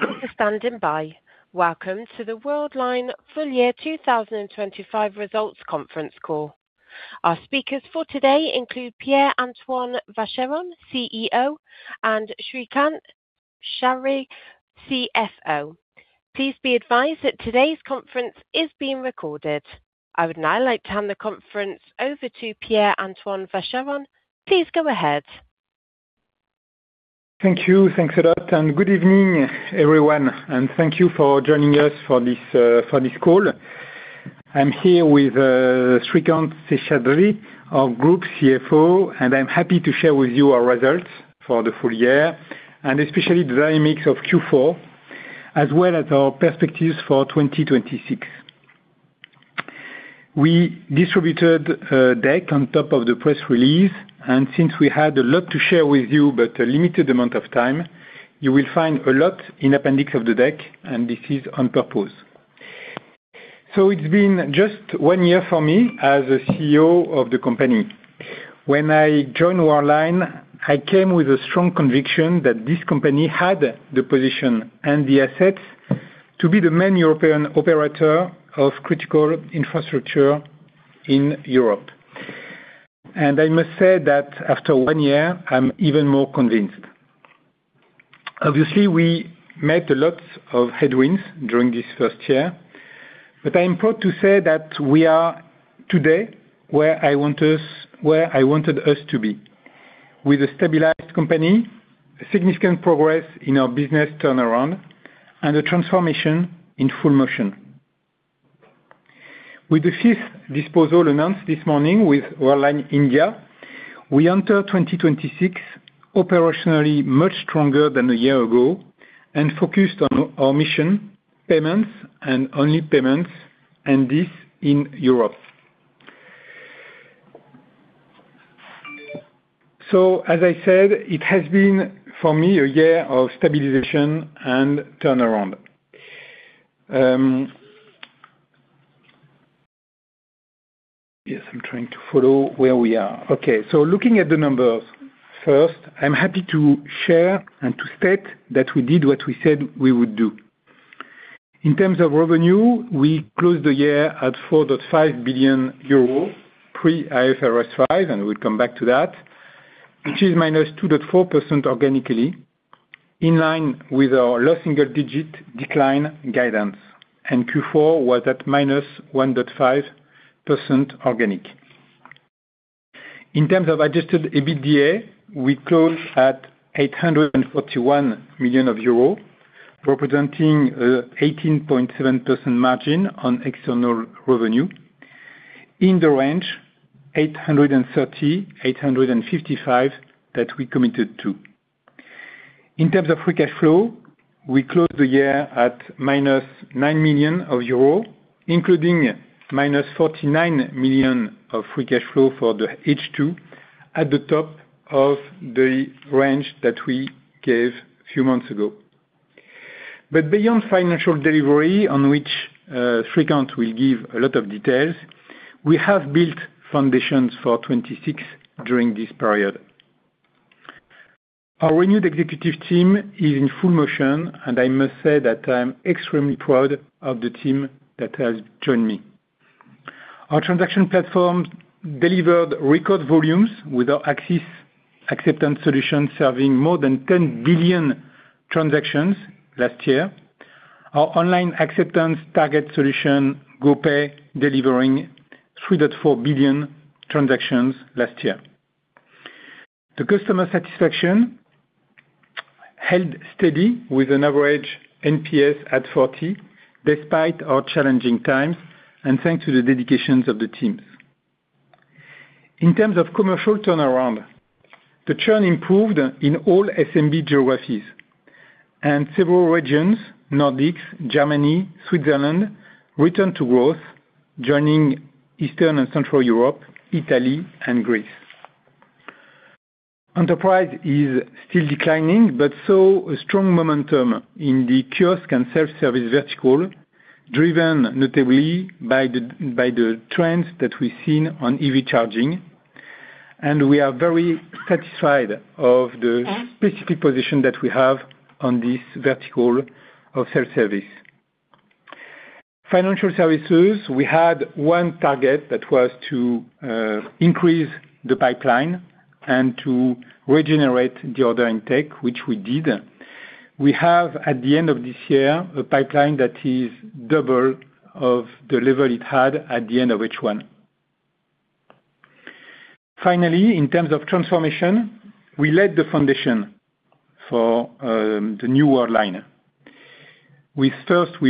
Thank you for standing by. Welcome to the Worldline Full Year 2025 Results Conference Call. Our speakers for today include Pierre-Antoine Vacheron, CEO, and Srikanth Seshadri, CFO. Please be advised that today's conference is being recorded. I would now like to hand the conference over to Pierre-Antoine Vacheron. Please go ahead. Thank you. Thanks a lot, and good evening, everyone, and thank you for joining us for this for this call. I'm here with Srikanth Seshadri, our Group CFO, and I'm happy to share with you our results for the full year, and especially the very mix of Q4, as well as our perspectives for 2026. We distributed a deck on top of the press release. Since we had a lot to share with you, but a limited amount of time, you will find a lot in appendix of the deck, and this is on purpose. It's been just one year for me as a CEO of the company. When I joined Worldline, I came with a strong conviction that this company had the position and the assets to be the main European operator of critical infrastructure in Europe. I must say that after one year, I'm even more convinced. Obviously, we met a lot of headwinds during this first year, but I'm proud to say that we are today where I wanted us to be, with a stabilized company, a significant progress in our business turnaround, and a transformation in full motion. With the fifth disposal announced this morning with Worldline India, we enter 2026 operationally much stronger than a year ago and focused on our mission, payments and only payments, and this in Europe. As I said, it has been, for me, a year of stabilization and turnaround. Yes, I'm trying to follow where we are. Looking at the numbers, first, I'm happy to share and to state that we did what we said we would do. In terms of revenue, we closed the year at 4.5 billion euros pre-IFRS 5, we'll come back to that, which is -2.4% organically, in line with our low-single-digit decline guidance, Q4 was at -1.5% organic. In terms of adjusted EBITDA, we closed at 841 million euros, representing 18.7% margin on external revenue, in the range 830 million-855 million that we committed to. In terms of free cash flow, we closed the year at -9 million euro, including -49 million of free cash flow for the H2, at the top of the range that we gave a few months ago. Beyond financial delivery, on which Srikanth will give a lot of details, we have built foundations for 2026 during this period. Our renewed executive team is in full motion, and I must say that I'm extremely proud of the team that has joined me. Our transaction platform delivered record volumes with our AXIS acceptance solution, serving more than 10 billion transactions last year. Our online acceptance target solution, GoPay, delivering 3.4 billion transactions last year. The customer satisfaction held steady with an average NPS at 40, despite our challenging times, and thanks to the dedications of the teams. In terms of commercial turnaround, the churn improved in all SMB geographies, and several regions, Nordics, Germany, Switzerland, returned to growth, joining Eastern and Central Europe, Italy and Greece. Enterprise is still declining. Saw a strong momentum in the kiosk and self-service vertical, driven notably by the trends that we've seen on EV charging. We are very satisfied of the specific position that we have on this vertical of self-service. Financial services, we had one target that was to increase the pipeline and to regenerate the order intake, which we did. We have, at the end of this year, a pipeline that is double of the level it had at the end of H1. Finally, in terms of transformation, we laid the foundation for the new Worldline. We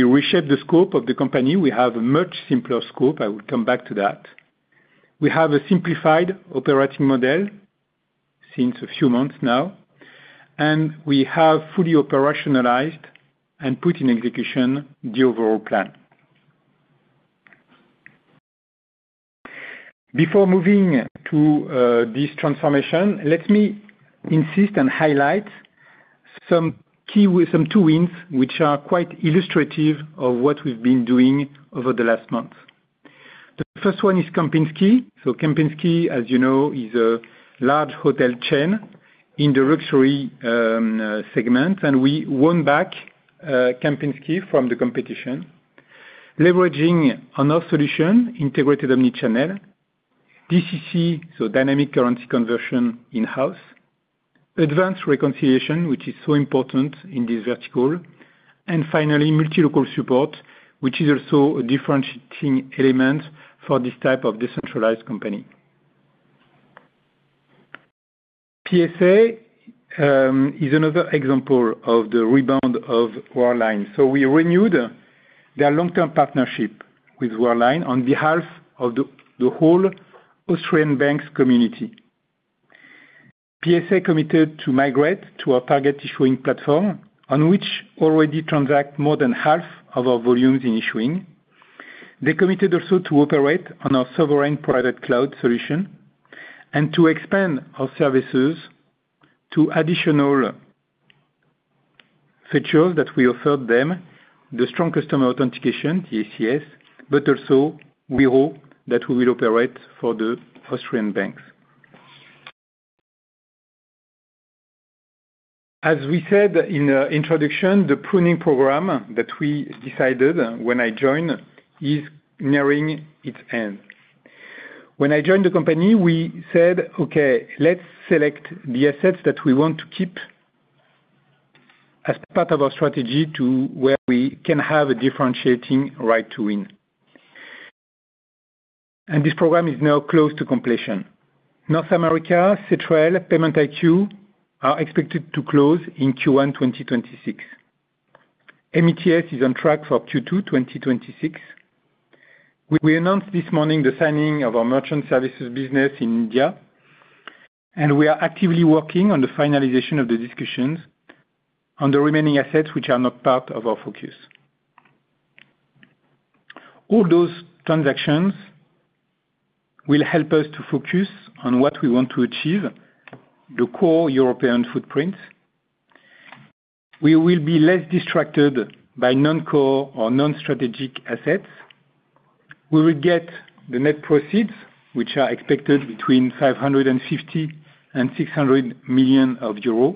reshaped the scope of the company. We have a much simpler scope. I will come back to that. We have a simplified operating model since a few months now. We have fully operationalized and put in execution the overall plan. Before moving to this transformation, let me insist and highlight some two wins, which are quite illustrative of what we've been doing over the last month. The first one is Kempinski. Kempinski, as you know, is a large hotel chain in the luxury segment, and we won back Kempinski from the competition, leveraging on our solution, integrated omnichannel, DCC, so dynamic currency conversion in-house, advanced reconciliation, which is so important in this vertical, and finally, multi-local support, which is also a differentiating element for this type of decentralized company. PSA is another example of the rebound of Worldline. We renewed their long-term partnership with Worldline on behalf of the whole Australian banks community. PSA committed to migrate to our target issuing platform, on which already transact more than half of our volumes in issuing. They committed also to operate on our sovereign private cloud solution, and to expand our services to additional features that we offered them, the Strong Customer Authentication, TCS, but also we hope that we will operate for the Australian banks. As we said in the introduction, the pruning program that we decided when I joined is nearing its end. When I joined the company, we said, "Okay, let's select the assets that we want to keep as part of our strategy to where we can have a differentiating right to win." This program is now close to completion. North America, Cetrel, PaymentIQ, are expected to close in Q1 2026. MeTS is on track for Q2 2026. We announced this morning the signing of our merchant services business in India. We are actively working on the finalization of the discussions on the remaining assets, which are not part of our focus. All those transactions will help us to focus on what we want to achieve, the core European footprint. We will be less distracted by non-core or non-strategic assets. We will get the net proceeds, which are expected between 550 million and 600 million euro.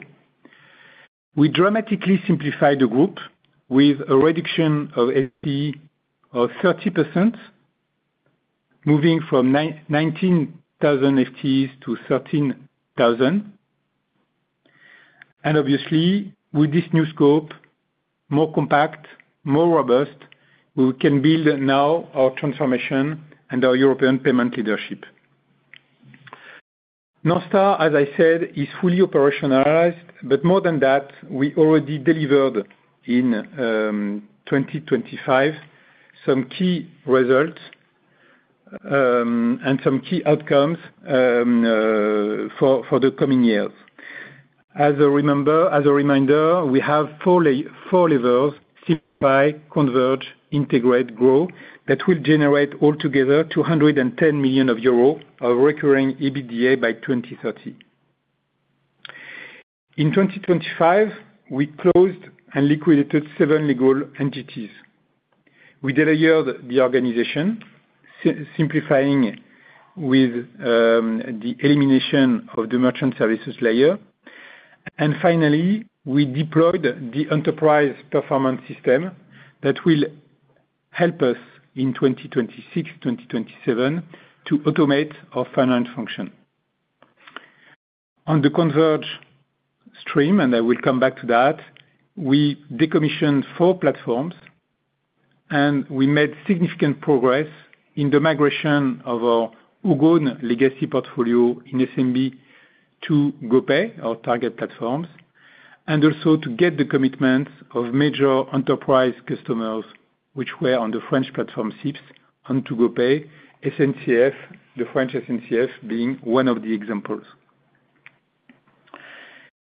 We dramatically simplified the group with a reduction of FTE of 30%, moving from 19,000 FTEs to 13,000. Obviously, with this new scope, more compact, more robust, we can build now our transformation and our European payment leadership. North Star, as I said, is fully operationalized. More than that, we already delivered in 2025, some key results, and some key outcomes for the coming years. As a reminder, we have four levels: simplify, converge, integrate, grow, that will generate altogether 210 million euro of recurring EBITDA by 2030. In 2025, we closed and liquidated seven legal entities. We delayed the organization, simplifying with the elimination of the merchant services layer. Finally, we deployed the enterprise performance system that will help us in 2026, 2027, to automate our finance function. On the converge stream, and I will come back to that, we decommissioned four platforms, and we made significant progress in the migration of our Ogone legacy portfolio in SMB to GoPay, our target platforms, and also to get the commitment of major enterprise customers which were on the French platform, Sips, onto GoPay, SNCF, the French SNCF being one of the examples.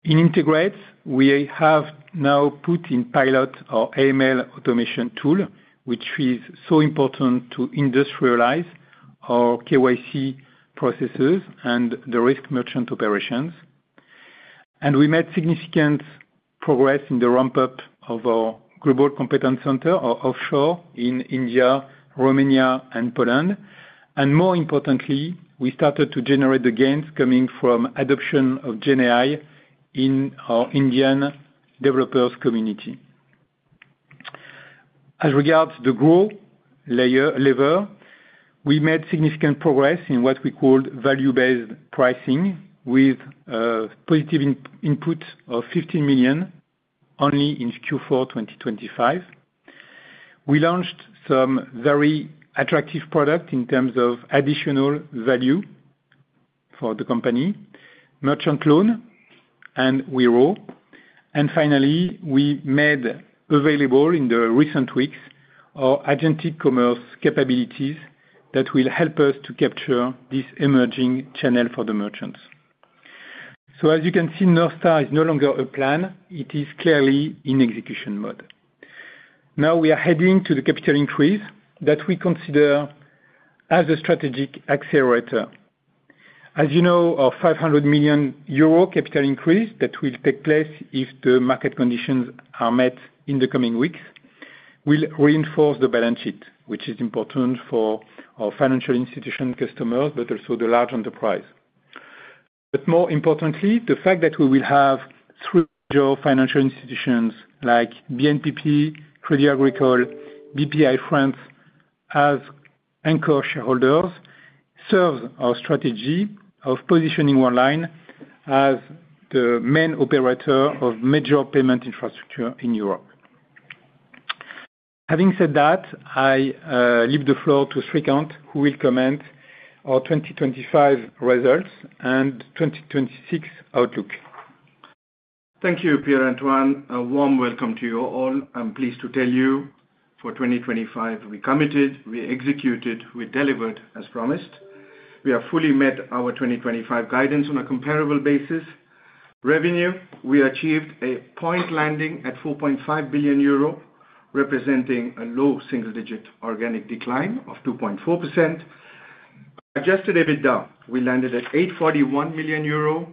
In integrate, we have now put in pilot our AML automation tool, which is so important to industrialize our KYC processes and the risk merchant operations. We made significant progress in the ramp-up of our global competence center, our offshore in India, Romania, and Poland. More importantly, we started to generate the gains coming from adoption of GenAI in our Indian developers community. As regards to the grow layer, lever, we made significant progress in what we called value-based pricing, with positive input of 15 million only in Q4 2025. We launched some very attractive product in terms of additional value for the company, Merchant Loan, and Wero. Finally, we made available in the recent weeks, our agentic commerce capabilities that will help us to capture this emerging channel for the merchants. As you can see, North Star is no longer a plan, it is clearly in execution mode. Now, we are heading to the capital increase that we consider as a strategic accelerator. As you know, our 500 million euro capital increase that will take place if the market conditions are met in the coming weeks, will reinforce the balance sheet, which is important for our financial institution customers, but also the large enterprise. More importantly, the fact that we will have three financial institutions like BNPP, Crédit Agricole, Bpifrance, as anchor shareholders, serves our strategy of positioning Worldline as the main operator of major payment infrastructure in Europe. Having said that, I leave the floor to Srikanth, who will comment our 2025 results and 2026 outlook. Thank Pierre-Antoine. a warm welcome to you all. I'm pleased to tell you for 2025, we committed, we executed, we delivered as promised. We have fully met our 2025 guidance on a comparable basis. Revenue, we achieved a point landing at 4.5 billion euro, representing a low-single-digit organic decline of 2.4%. Adjusted EBITDA, we landed at 841 million euro,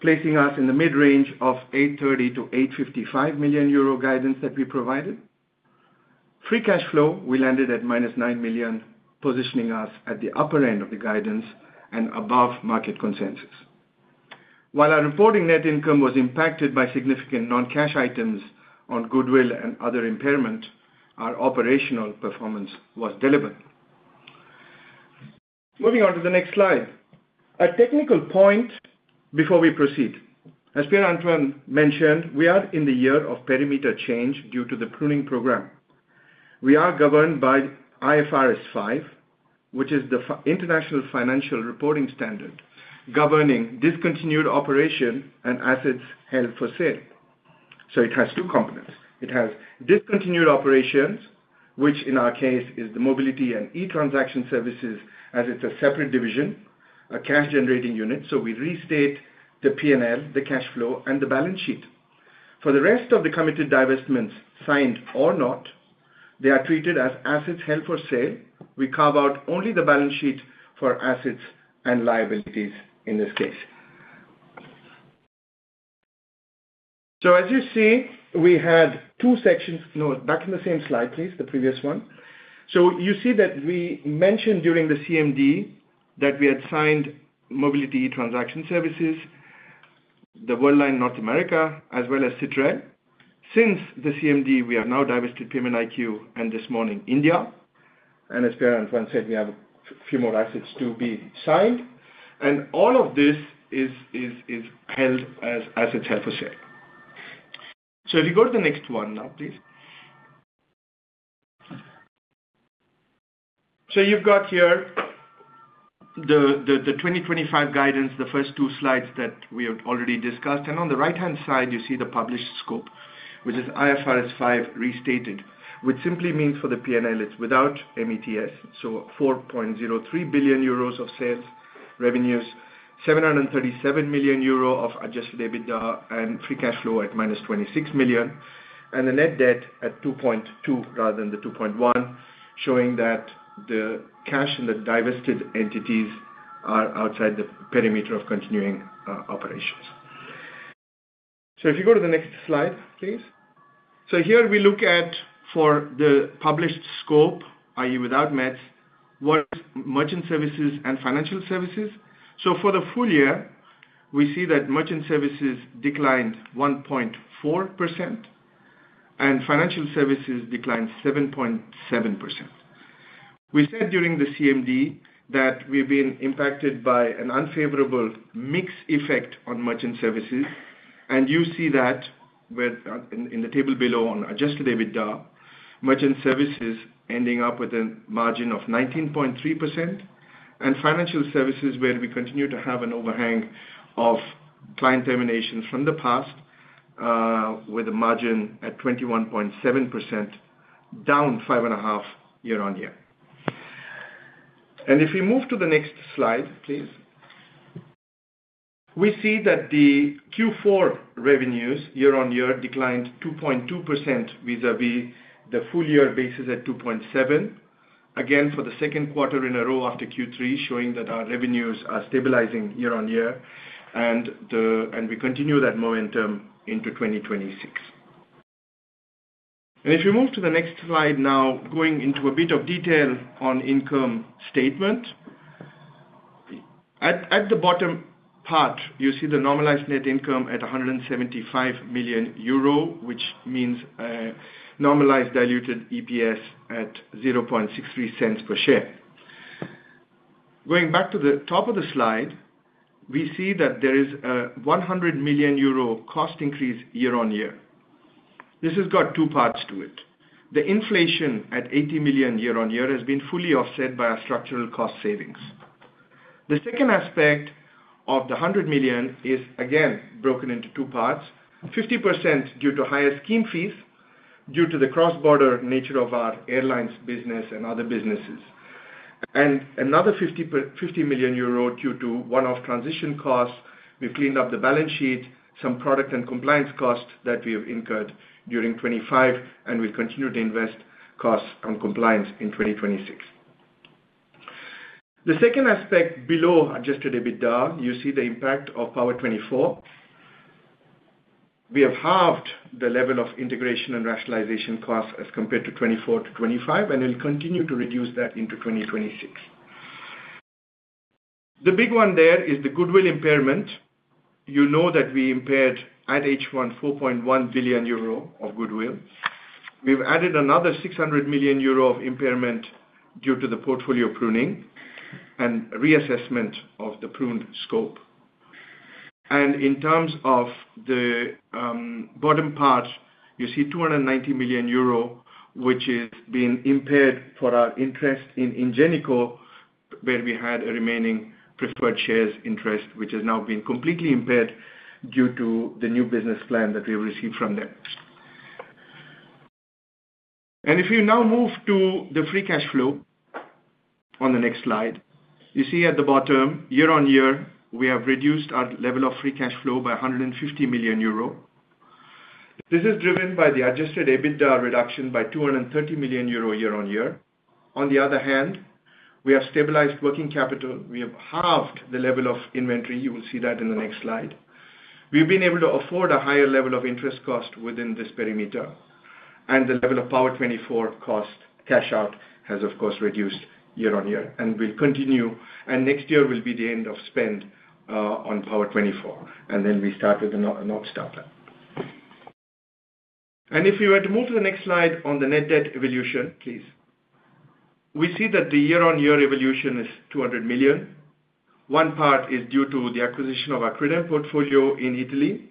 placing us in the mid-range of 830 million-855 million euro guidance that we provided. Free cash flow, we landed at -9 million, positioning us at the upper end of the guidance and above market consensus. While our reporting net income was impacted by significant non-cash items on goodwill and other impairment, our operational performance was delivered. Moving on to the next slide. A technical point before we proceed. As Pierre-Antoine mentioned, we are in the year of perimeter change due to the pruning program. We are governed by IFRS 5, which is the International Financial Reporting Standard, governing discontinued operation and assets held for sale. It has two components. It has discontinued operations, which in our case, is the Mobility & e-Transactional Services, as it's a separate division, a cash generating unit. We restate the P&L, the cash flow, and the balance sheet. For the rest of the committed divestments, signed or not, they are treated as assets held for sale. We carve out only the balance sheet for assets and liabilities in this case. As you see, we had two sections-- No, back in the same slide, please, the previous one. You see that we mentioned during the CMD that we had signed Mobility Transaction Services, Worldline North America, as well as Cetrel. Since the CMD, we have now divested PaymentIQ, and this morning, India. As Pierre-Antoine said, we have a few more assets to be signed, all of this is held as assets held for sale. If you go to the next one now, please. You've got here the 2025 guidance, the first two slides that we have already discussed, and on the right-hand side, you see the published scope, which is IFRS 5 restated, which simply means for the P&L, it's without MeTS. 4.03 billion euros of sales revenues, 737 million euro of adjusted EBITDA, and free cash flow at -26 million, and the net debt at 2.2 billion rather than 2.1 billion, showing that the cash in the divested entities are outside the perimeter of continuing operations. If you go to the next slide, please. Here we look at for the published scope, i.e., without MeTS, what is merchant services and financial services? For the full year, we see that merchant services declined 1.4%, and financial services declined 7.7%. We said during the CMD that we've been impacted by an unfavorable mix effect on merchant services, and you see that in the table below on adjusted EBITDA, merchant services ending up with a margin of 19.3%, and financial services, where we continue to have an overhang of client termination from the past, with a margin at 21.7%, down 5.5% year-on-year. If we move to the next slide, please. We see that the Q4 revenues year-on-year declined 2.2% vis-à-vis the full-year basis at 2.7%. Again, for the second quarter in a row after Q3, showing that our revenues are stabilizing year-on-year, and we continue that momentum into 2026. If you move to the next slide now, going into a bit of detail on income statement. At the bottom part, you see the normalized net income at 175 million euro, which means normalized diluted EPS at 0.63 per share. Going back to the top of the slide, we see that there is a 100 million euro cost increase year-on-year. This has got two parts to it. The inflation at 80 million year-on-year has been fully offset by our structural cost savings. The second aspect of the 100 million is, again, broken into two parts, 50% due to higher scheme fees, due to the cross-border nature of our airlines business and other businesses. Another 50 million euro due to one-off transition costs. We've cleaned up the balance sheet, some product and compliance costs that we have incurred during 2025, and we've continued to invest costs on compliance in 2026. The second aspect below adjusted EBITDA, you see the impact of Power24. We have halved the level of integration and rationalization costs as compared to 2024 to 2025, and we'll continue to reduce that into 2026. The big one there is the goodwill impairment. You know that we impaired at H1, 4.1 billion euro of goodwill. We've added another 600 million euro of impairment due to the portfolio pruning and reassessment of the pruned scope. In terms of the bottom part, you see 290 million euro, which is being impaired for our interest in Ingenico, where we had a remaining preferred shares interest, which has now been completely impaired due to the new business plan that we received from them. If you now move to the free cash flow on the next slide, you see at the bottom, year-on-year, we have reduced our level of free cash flow by 150 million euro. This is driven by the adjusted EBITDA reduction by 230 million euro year-on-year. On the other hand, we have stabilized working capital. We have halved the level of inventory. You will see that in the next slide. We've been able to afford a higher level of interest cost within this perimeter, and the level of Power24 cost, cash out, has of course, reduced year-on-year. We'll continue, and next year will be the end of spend on Power24, and then we start with the North Star. If you were to move to the next slide on the net debt evolution, please. We see that the year-on-year evolution is 200 million. One part is due to the acquisition of Accredere portfolio in Italy,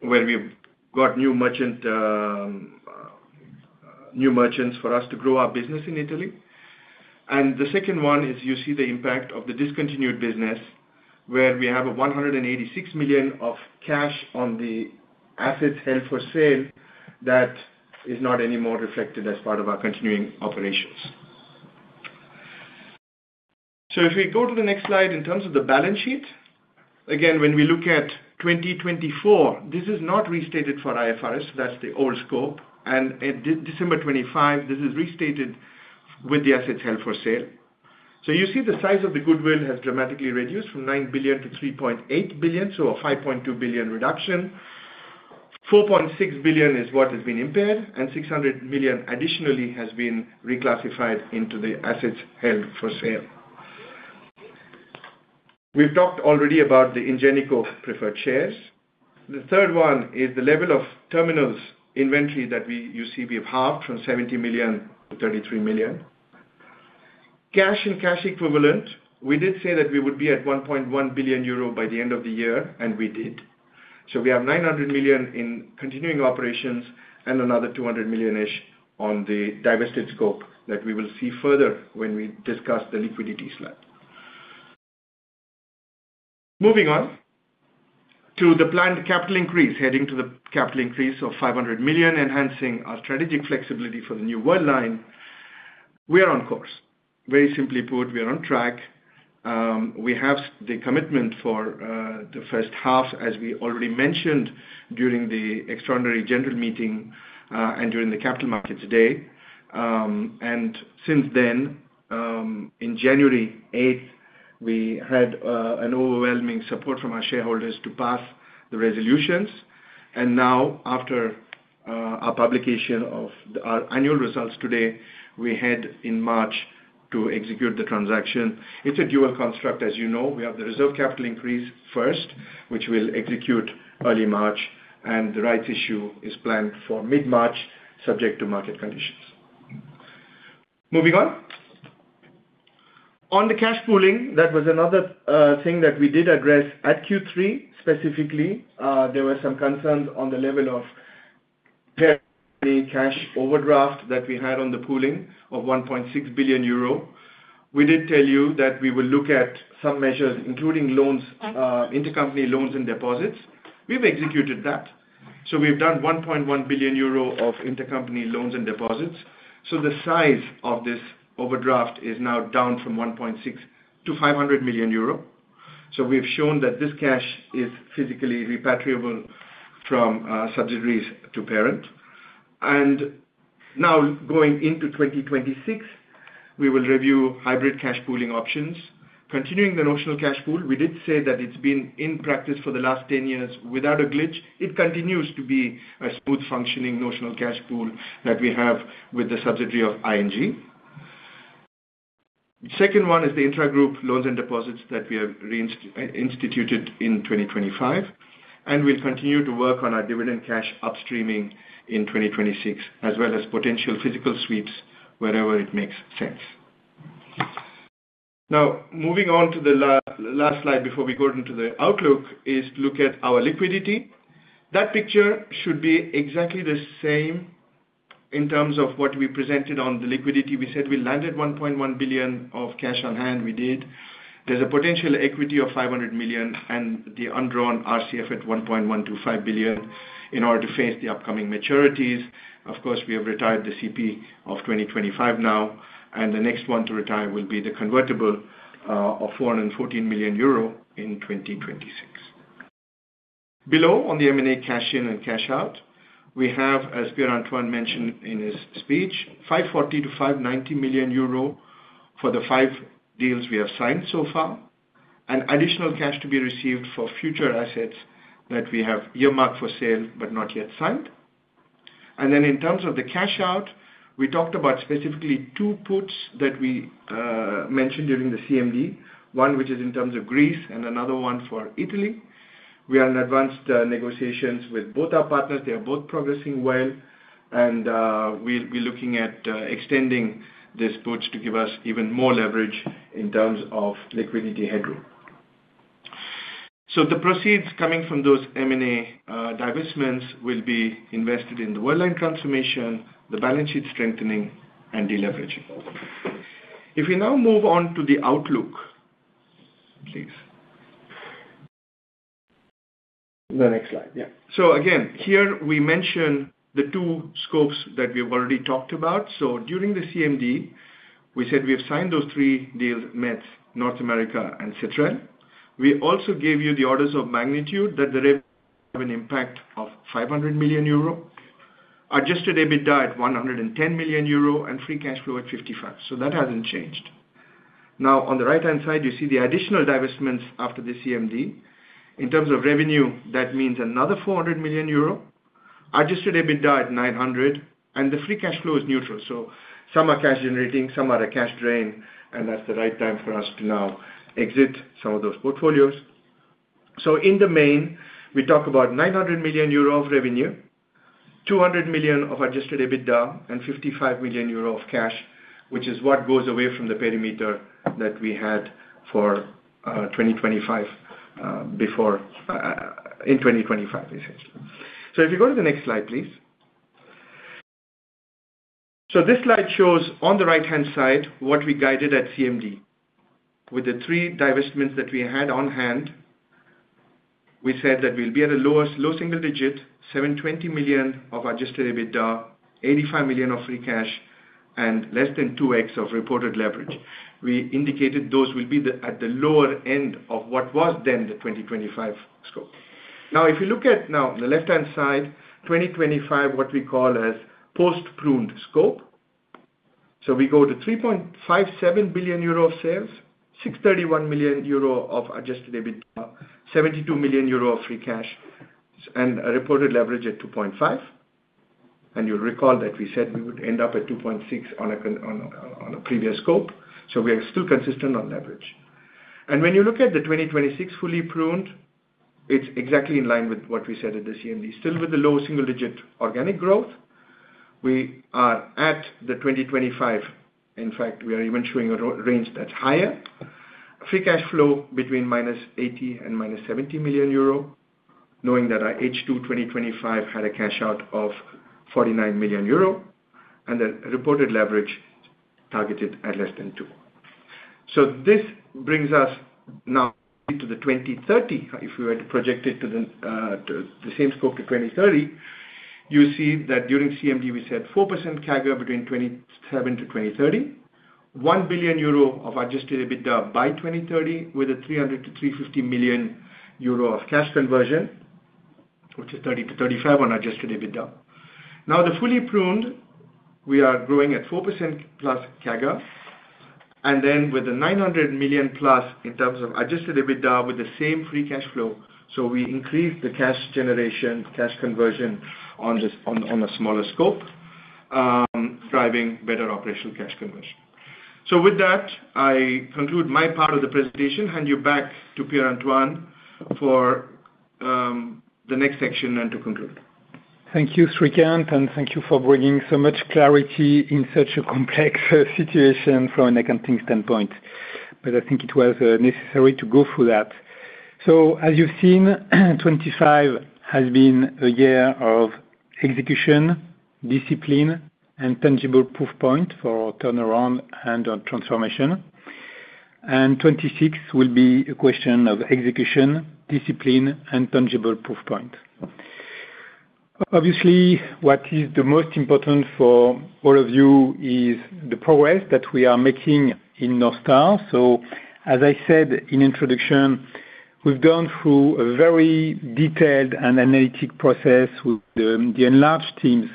where we've got new merchant, new merchants for us to grow our business in Italy. The second one is you see the impact of the discontinued business, where we have a 186 million of cash on the assets held for sale, that is not anymore reflected as part of our continuing operations. If we go to the next slide, in terms of the balance sheet, again, when we look at 2024, this is not restated for IFRS. That's the old scope. At December 2025, this is restated with the assets held for sale. You see the size of the goodwill has dramatically reduced from 9 billion to 3.8 billion, a 5.2 billion reduction. 4.6 billion is what has been impaired, and 600 million additionally has been reclassified into the assets held for sale. We've talked already about the Ingenico preferred shares. The third one is the level of terminals inventory that you see, we have halved from 70 million to 33 million. Cash and cash equivalent, we did say that we would be at 1.1 billion euro by the end of the year, and we did. We have 900 million in continuing operations and another 200 million-ish on the divested scope that we will see further when we discuss the liquidity slide. Moving on to the planned capital increase, heading to the capital increase of 500 million, enhancing our strategic flexibility for the new Worldline. We are on course. Very simply put, we are on track. We have the commitment for the first half, as we already mentioned during the extraordinary general meeting and during the Capital Markets Day. Since then, in January 8th, we had an overwhelming support from our shareholders to pass the resolutions. Now, after our publication of our annual results today, we head in March to execute the transaction. It's a dual construct, as you know. We have the reserve capital increase first, which we'll execute early March, and the right issue is planned for mid-March, subject to market conditions. Moving on. On the cash pooling, that was another thing that we did address at Q3. Specifically, there were some concerns on the level of the cash overdraft that we had on the pooling of 1.6 billion euro. We did tell you that we will look at some measures, including loans, intercompany loans and deposits. We've executed that. We've done 1.1 billion euro of intercompany loans and deposits. The size of this overdraft is now down from 1.6 billion to 500 million euro. We've shown that this cash is physically repatriable from subsidiaries to parent. Now, going into 2026, we will review hybrid cash pooling options. Continuing the notional cash pool, we did say that it's been in practice for the last 10 years without a glitch. It continues to be a smooth, functioning, notional cash pool that we have with the subsidiary of ING. The second one is the intragroup loans and deposits that we have instituted in 2025, and we'll continue to work on our dividend cash upstreaming in 2026, as well as potential physical sweeps wherever it makes sense. Now, moving on to the last slide before we go into the outlook, is look at our liquidity. That picture should be exactly the same in terms of what we presented on the liquidity. We said we landed 1.1 billion of cash on hand. We did. There's a potential equity of 500 million and the undrawn RCF at 1.125 billion in order to face the upcoming maturities. Of course, we have retired the CP of 2025 now, and the next one to retire will be the convertible of 414 million euro in 2026. Below, on the M&A cash in and cash out, we have, as Pierre-Antoine mentioned in his speech, 540 million-590 million euro for the five deals we have signed so far, and additional cash to be received for future assets that we have earmarked for sale, but not yet signed. In terms of the cash out, we talked about specifically two puts that we mentioned during the CMD. One, which is in terms of Greece and another one for Italy. We are in advanced negotiations with both our partners. They are both progressing well, we'll be looking at extending these puts to give us even more leverage in terms of liquidity headroom. The proceeds coming from those M&A divestments will be invested in the Worldline transformation, the balance sheet strengthening, and deleveraging. If we now move on to the outlook, please. The next slide. Again, here we mention the two scopes that we've already talked about. During the CMD, we said we have signed those three deals, MeTS, North America, and Cetrel. We also gave you the orders of magnitude that the have an impact of 500 million euro, adjusted EBITDA at 110 million euro, and free cash flow at 55 million. That hasn't changed. On the right-hand side, you see the additional divestments after the CMD. In terms of revenue, that means another 400 million euro, adjusted EBITDA at 900 million, and the free cash flow is neutral. Some are cash generating, some are a cash drain, and that's the right time for us to now exit some of those portfolios. In the main, we talk about 900 million euro of revenue, 200 million of adjusted EBITDA, and 55 million euro of cash, which is what goes away from the perimeter that we had for 2025, before in 2025, essentially. If you go to the next slide, please. This slide shows, on the right-hand side, what we guided at CMD. With the three divestments that we had on hand, we said that we'll be at a low-single digit, 720 million of adjusted EBITDA, 85 million of free cash, and less than 2x of reported leverage. We indicated those will be the, at the lower end of what was then the 2025 scope. If you look at now the left-hand side, 2025, what we call as post-pruned scope. We go to 3.57 billion euro of sales, 631 million euro of adjusted EBITDA, 72 million euro of free cash, and a reported leverage at 2.5x. You'll recall that we said we would end up at 2.6x on a previous scope, we are still consistent on leverage. When you look at the 2026 fully pruned, it's exactly in line with what we said at the CMD. Still with the low single-digit organic growth, we are at the 2025. In fact, we are even showing a range that's higher. Free cash flow between -80 million euro and -70 million euro, knowing that our H2 2025 had a cash out of 49 million euro, and the reported leverage targeted at less than 2x. This brings us now into the 2030. If we were to project it to the same scope to 2030, you see that during CMD, we said 4% CAGR between 2027 to 2030, 1 billion euro of adjusted EBITDA by 2030, with 300 million-350 million euro of cash conversion, which is 30%-35% on adjusted EBITDA. The fully pruned, we are growing at 4%+ CAGR, with the 900 million+ in terms of adjusted EBITDA with the same free cash flow. We increase the cash generation, cash conversion on a smaller scope, driving better operational cash conversion. With that, I conclude my part of the presentation, hand you back to Pierre-Antoine for the next section, and to conclude. Thank you, Srikanth, and thank you for bringing so much clarity in such a complex situation from an accounting standpoint. I think it was necessary to go through that. As you've seen, 2025 has been a year of execution, discipline, and tangible proof point for our turnaround and our transformation. 2026 will be a question of execution, discipline, and tangible proof point. Obviously, what is the most important for all of you is the progress that we are making in North Star. As I said in introduction, we've gone through a very detailed and analytic process with the enlarged teams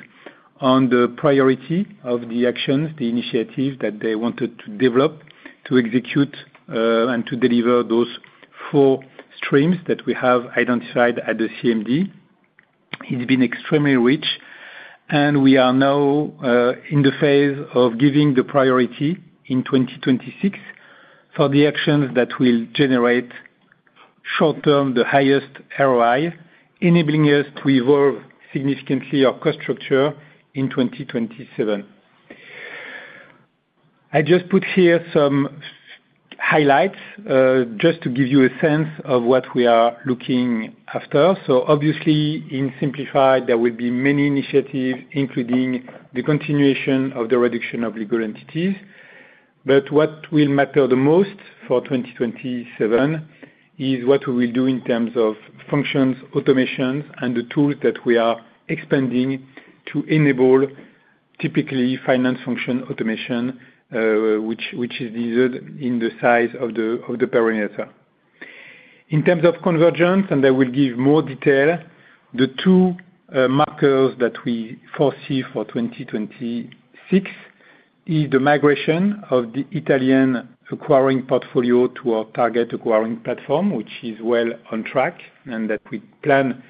on the priority of the actions, the initiatives that they wanted to develop, to execute, and to deliver those four streams that we have identified at the CMD. It's been extremely rich. We are now in the phase of giving the priority in 2026 for the actions that will generate short-term, the highest ROI, enabling us to evolve significantly our cost structure in 2027. I just put here some highlights, just to give you a sense of what we are looking after. Obviously, in simplified, there will be many initiatives, including the continuation of the reduction of legal entities. What will matter the most for 2027 is what we will do in terms of functions, automations, and the tools that we are expanding to enable typically, finance function automation, which is needed in the size of the perimeter. In terms of convergence, and I will give more detail, the two markers that we foresee for 2026, is the migration of the Italian acquiring portfolio to our target acquiring platform, which is well on track, and that we plan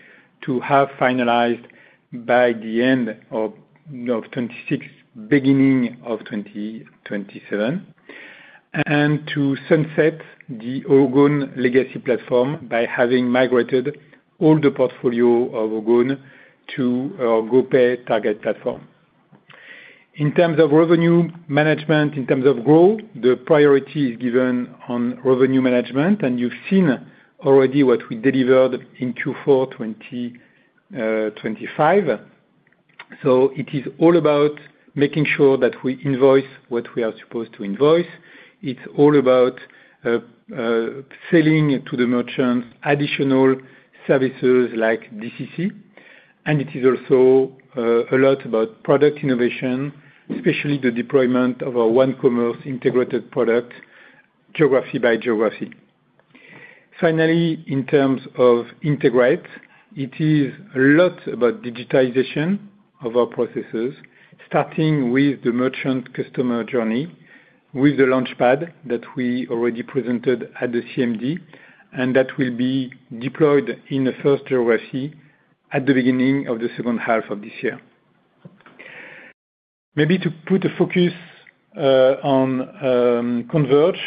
to have finalized by the end of 2026, beginning of 2027. To sunset the Ogone legacy platform by having migrated all the portfolio of Ogone to GoPay target platform. In terms of revenue management, in terms of growth, the priority is given on revenue management. You've seen already what we delivered in Q4 2025. It is all about making sure that we invoice what we are supposed to invoice. It's all about selling to the merchants, additional services like DCC. It is also a lot about product innovation, especially the deployment of our One Commerce integrated product, geography by geography. Finally, in terms of integrate, it is a lot about digitization of our processes, starting with the merchant customer journey, with the Launchpad that we already presented at the CMD. That will be deployed in the first geography at the beginning of the second half of this year. Maybe to put a focus on converge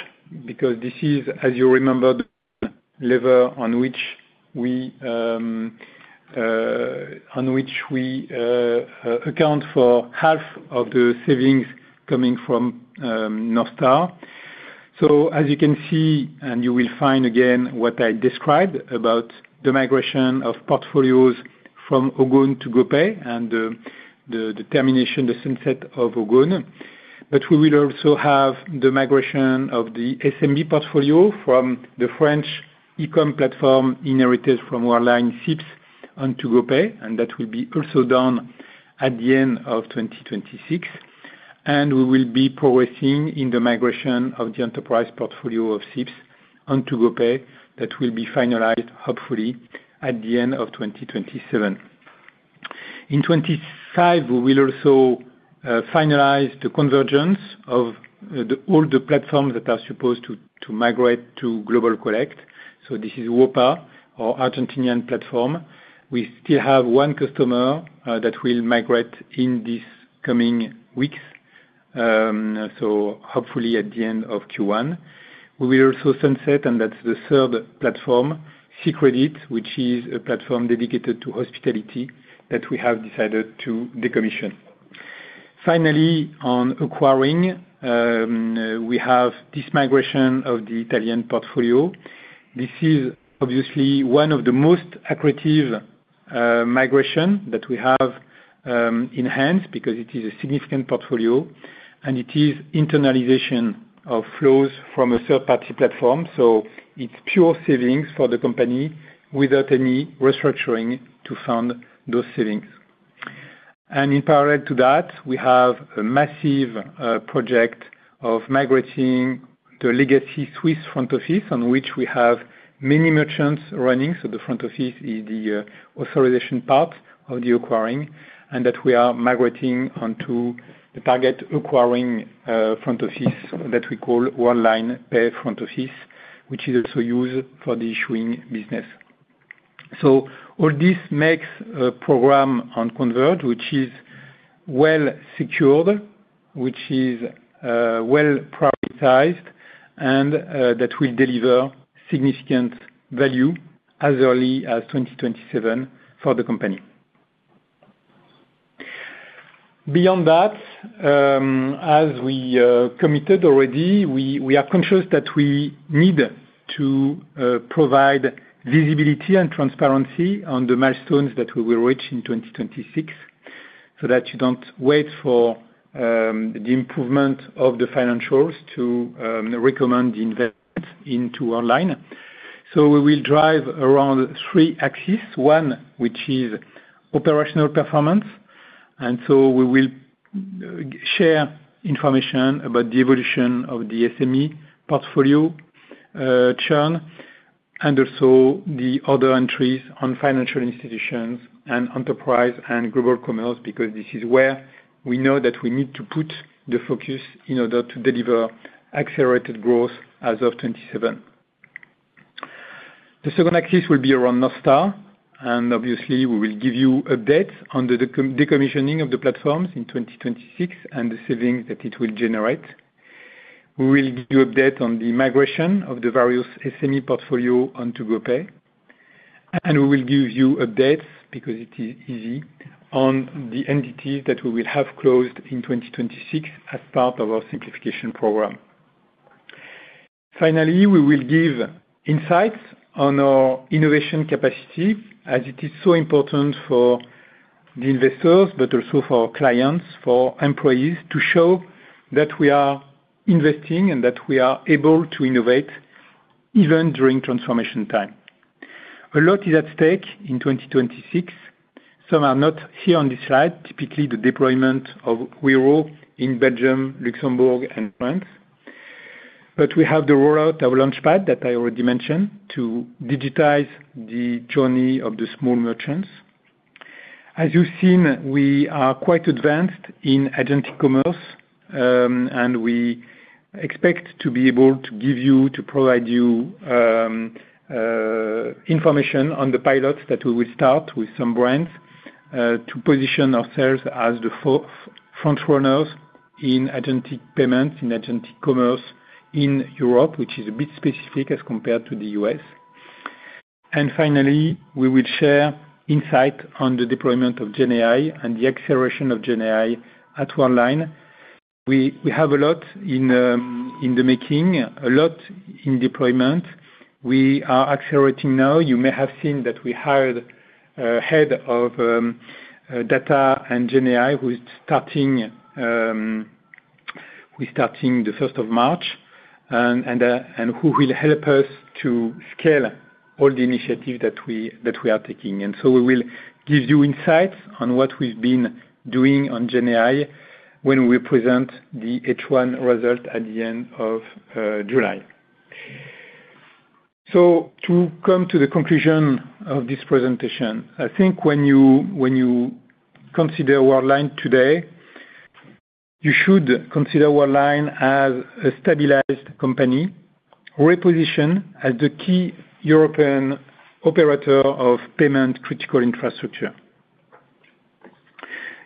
because this is, as you remember, the lever on which we on which we account for half of the savings coming from North Star. As you can see, and you will find again what I described about the migration of portfolios from Ogone to GoPay and the termination, the sunset of Ogone. We will also have the migration of the SMB portfolio from the French e-com platform, inherited from our line, Sips, onto GoPay, and that will be also done at the end of 2026. We will be progressing in the migration of the enterprise portfolio of Sips onto GoPay, that will be finalized, hopefully, at the end of 2027. In 2025, we will also finalize the convergence of all the platforms that are supposed to migrate to Global Collect. This is WOPA, our Argentinian platform. We still have one customer that will migrate in this coming weeks. Hopefully at the end of Q1. We will also sunset, and that's the third platform, cCredit, which is a platform dedicated to hospitality that we have decided to decommission. Finally, on acquiring, we have this migration of the Italian portfolio. This is obviously one of the most accretive migration that we have enhanced, because it is a significant portfolio, and it is internalization of flows from a third-party platform. It's pure savings for the company without any restructuring to fund those savings. In parallel to that, we have a massive project of migrating the legacy Swiss front office, on which we have many merchants running. The front office is the authorization part of the acquiring, and that we are migrating onto the target acquiring front office that we call one line pay front office, which is also used for the issuing business. All this makes a program on Convert, which is well secured, which is well prioritized, and that will deliver significant value as early as 2027 for the company. Beyond that, as we committed already, we are conscious that we need to provide visibility and transparency on the milestones that we will reach in 2026, so that you don't wait for the improvement of the financials to recommend the investment into Worldline. We will drive around three axes. One, which is operational performance, we will share information about the evolution of the SME portfolio, churn, and also the other entries on financial institutions, and Enterprise, and Global Commerce, because this is where we know that we need to put the focus in order to deliver accelerated growth as of 2027. The second axis will be around North Star, and obviously, we will give you updates under the decommissioning of the platforms in 2026, and the savings that it will generate. We will give you update on the migration of the various SME portfolio on to GoPay, and we will give you updates, because it is easy, on the entities that we will have closed in 2026 as part of our simplification program. Finally, we will give insights on our innovation capacity, as it is so important for the investors, but also for our clients, for employees, to show that we are investing and that we are able to innovate even during transformation time. A lot is at stake in 2026. Some are not here on this slide, typically, the deployment of Wero in Belgium, Luxembourg, and France. We have the rollout of Launchpad that I already mentioned, to digitize the journey of the small merchants. As you've seen, we are quite advanced in Agentic Commerce, and we expect to be able to give you, to provide you, information on the pilots that we will start with some brands, to position ourselves as the front runners in agentic payments, in Agentic Commerce in Europe, which is a bit specific as compared to the U.S. Finally, we will share insight on the deployment of GenAI and the acceleration of GenAI at Worldline. We have a lot in the making, a lot in deployment. We are accelerating now. You may have seen that we hired a head of data and GenAI, who is starting the 1st of March. Who will help us to scale all the initiatives that we are taking. We will give you insights on what we've been doing on GenAI when we present the H1 result at the end of July. To come to the conclusion of this presentation, I think when you consider Worldline today, you should consider Worldline as a stabilized company, repositioned as the key European operator of payment critical infrastructure.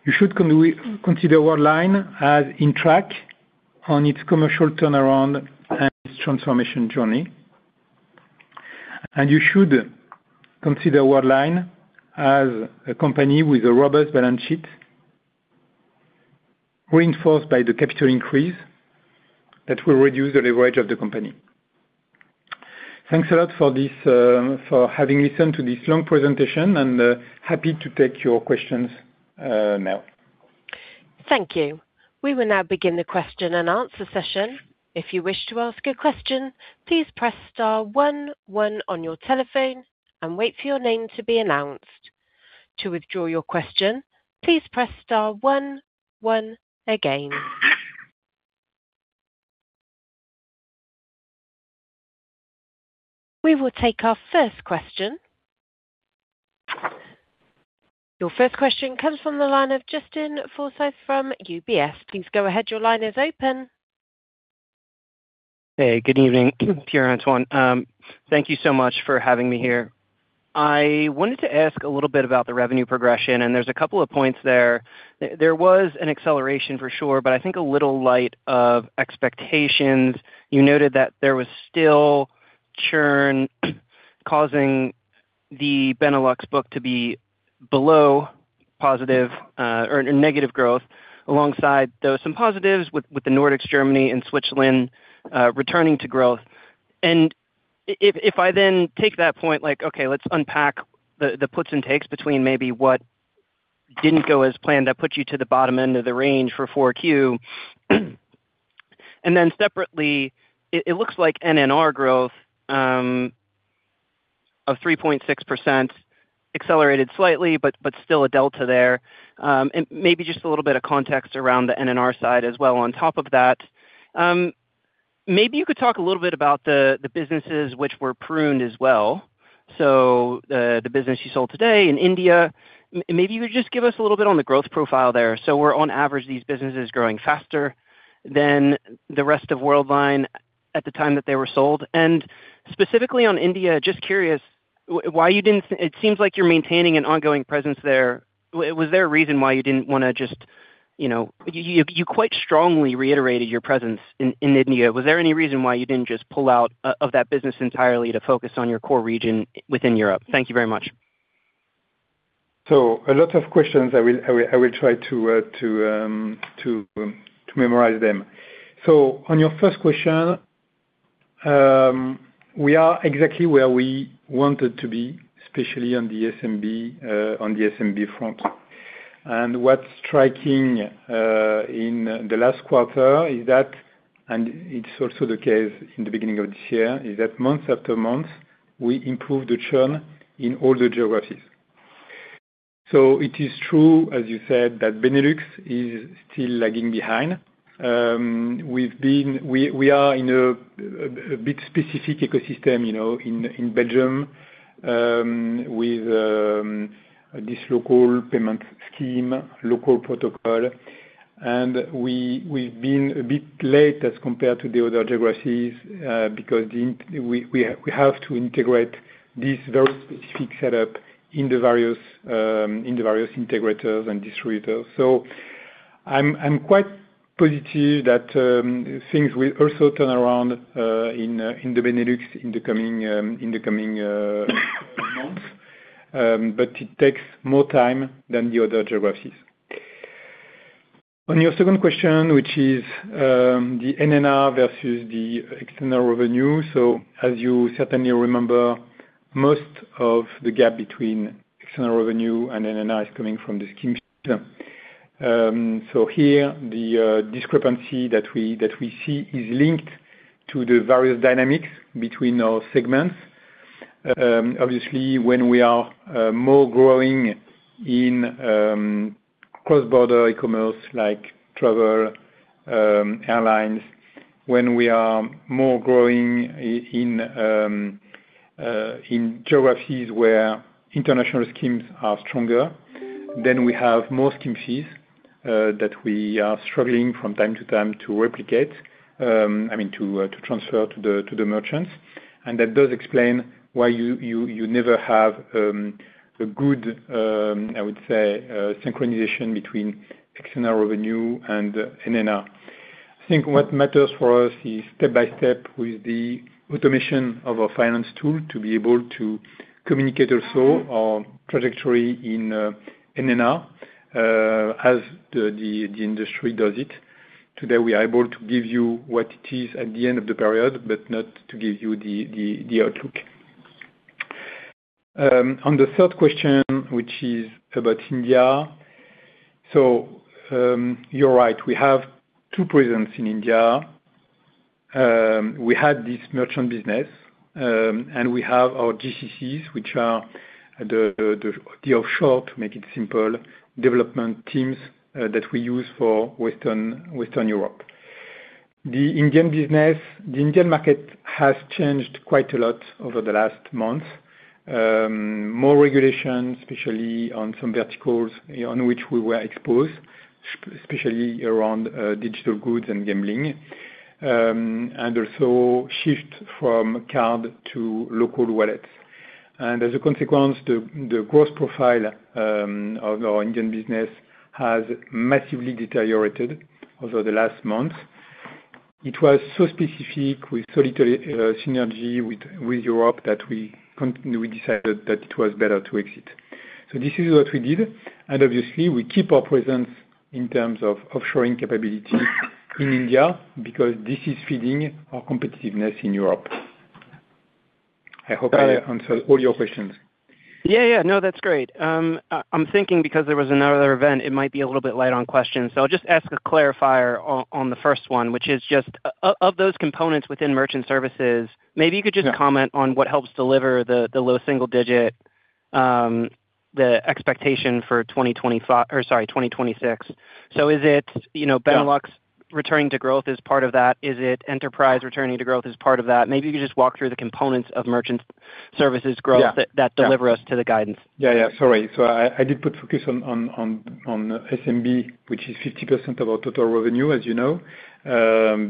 You should consider Worldline as in track on its commercial turnaround and transformation journey. You should consider Worldline as a company with a robust balance sheet, reinforced by the capital increase that will reduce the leverage of the company. Thanks a lot for this for having listened to this long presentation, and happy to take your questions now. Thank you. We will now begin the question-and-answer session. If you wish to ask a question, please press star one one on your telephone and wait for your name to be announced. To withdraw your question, please press star one one again. We will take our first question. Your first question comes from the line of Justin Forsythe from UBS. Please go ahead. Your line is open. Hey, good evening, Pierre-Antoine. Thank you so much for having me here. I wanted to ask a little bit about the revenue progression, and there's a couple of points there. There was an acceleration for sure, but I think a little light of expectations. You noted that there was still churn causing the Benelux book to be below positive, or negative growth, alongside there were some positives with the Nordics, Germany, and Switzerland returning to growth. If I then take that point, like, okay, let's unpack the puts and takes between maybe what didn't go as planned, that puts you to the bottom end of the range for 4Q. Then separately, it looks like NNR growth of 3.6% accelerated slightly, but still a delta there. Maybe just a little bit of context around the NNR side as well on top of that. Maybe you could talk a little bit about the businesses which were pruned as well. The business you sold today in India, maybe you could just give us a little bit on the growth profile there. Were on average, these businesses growing faster than the rest of Worldline at the time that they were sold? Specifically on India, just curious, why you didn't-- It seems like you're maintaining an ongoing presence there. Was there a reason why you didn't wanna just, you know... you quite strongly reiterated your presence in India. Was there any reason why you didn't just pull out of that business entirely to focus on your core region within Europe? Thank you very much. A lot of questions. I will try to memorize them. On your first question, we are exactly where we wanted to be, especially on the SMB on the SMB front. What's striking in the last quarter is that, and it's also the case in the beginning of this year, is that month after month, we improve the churn in all the geographies. It is true, as you said, that Benelux is still lagging behind. We are in a bit specific ecosystem, you know, in Belgium, with this local payment scheme, local protocol. We've been a bit late as compared to the other geographies because we have to integrate this very specific setup in the various integrators and distributors. I'm quite positive that things will also turn around in the Benelux in the coming months. It takes more time than the other geographies. On your second question, which is the NNR versus the external revenue. Here, the discrepancy that we see is linked to the various dynamics between our segments. Obviously, when we are more growing in cross-border e-commerce, like travel, airlines, when we are more growing in geographies where international schemes are stronger, then we have more scheme fees that we are struggling from time to time to replicate, I mean, to transfer to the merchants. That does explain why you never have a good, I would say, synchronization between external revenue and NNR. I think what matters for us is step by step, with the automation of our finance tool, to be able to communicate also our trajectory in NNR as the industry does it. Today, we are able to give you what it is at the end of the period, but not to give you the outlook. On the third question, which is about India. You're right, we have two presence in India. We had this merchant business, and we have our GCCs, which are the offshore, to make it simple, development teams that we use for Western Europe. The Indian market has changed quite a lot over the last month. More regulation, especially on some verticals on which we were exposed, especially around digital goods and gambling, and also shift from card to local wallets. As a consequence, the cost profile of our Indian business has massively deteriorated over the last month. It was so specific with solitary synergy with Europe, that we decided that it was better to exit. This is what we did, and obviously, we keep our presence in terms of offshoring capabilities in India, because this is feeding our competitiveness in Europe. I hope I answered all your questions. Yeah. No, that's great. I'm thinking because there was another event, it might be a little bit light on questions, so I'll just ask a clarifier on the first one, which is just of those components within merchant services, maybe you could just comment on what helps deliver the low single digit, the expectation for 2026. Is it, you know, Benelux returning to growth is part of that? Is it enterprise returning to growth is part of that? Maybe you could just walk through the components of merchant services growth that deliver us to the guidance. Yeah, yeah. Sorry. I did put focus on SMB, which is 50% of our total revenue, as you know,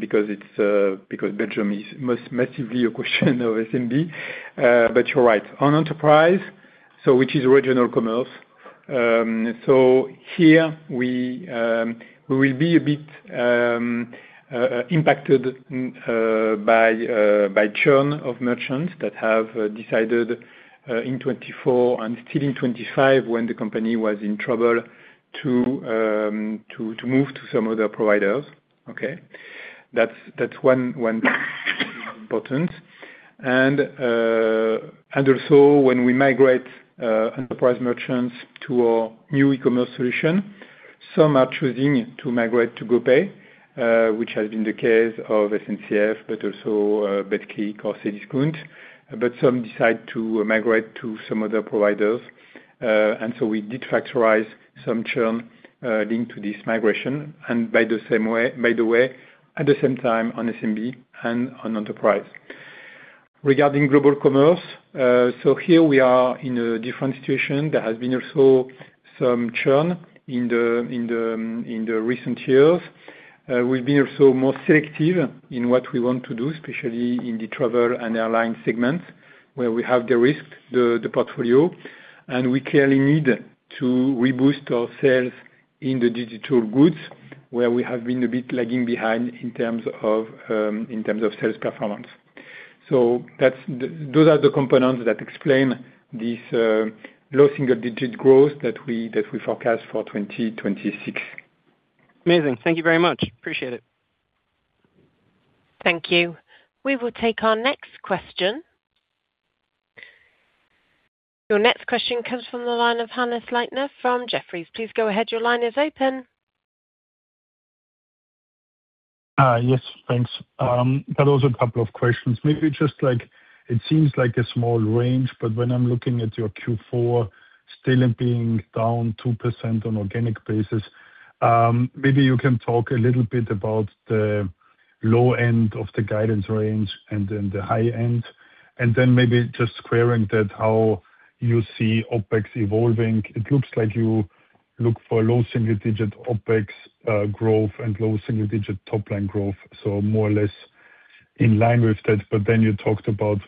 because it's because Belgium is most massively a question of SMB. You're right. On enterprise, which is One Commerce, here we will be a bit impacted by churn of merchants that have decided in 2024 and still in 2025, when the company was in trouble, to move to some other providers. Okay? That's one important. Also when we migrate enterprise merchants to our new e-commerce solution, some are choosing to migrate to GoPay, which has been the case of SNCF, also Betclic or Cdiscount. Some decide to migrate to some other providers, we did factorize some churn linked to this migration, by the way, at the same time, on SMB and on enterprise. Regarding global commerce, here we are in a different situation. There has been also some churn in the recent years. We've been also more selective in what we want to do, especially in the travel and airline segments, where we have the risk, the portfolio, and we clearly need to reboost our sales in the digital goods, where we have been a bit lagging behind in terms of sales performance. Those are the components that explain this low-single-digit growth that we forecast for 2026. Amazing. Thank you very much. Appreciate it. Thank you. We will take our next question. Your next question comes from the line of Hannes Leitner from Jefferies. Please go ahead. Your line is open. Yes, thanks. Also a couple of questions. Maybe just, like, it seems like a small range, but when I'm looking at your Q4 still being down 2% on organic basis, maybe you can talk a little bit about the low end of the guidance range and then the high end. Then maybe just squaring that, how you see OpEx evolving. It looks like you look for low-single-digit OpEx growth and low-single-digit top line growth, so more or less in line with that. Then you talked about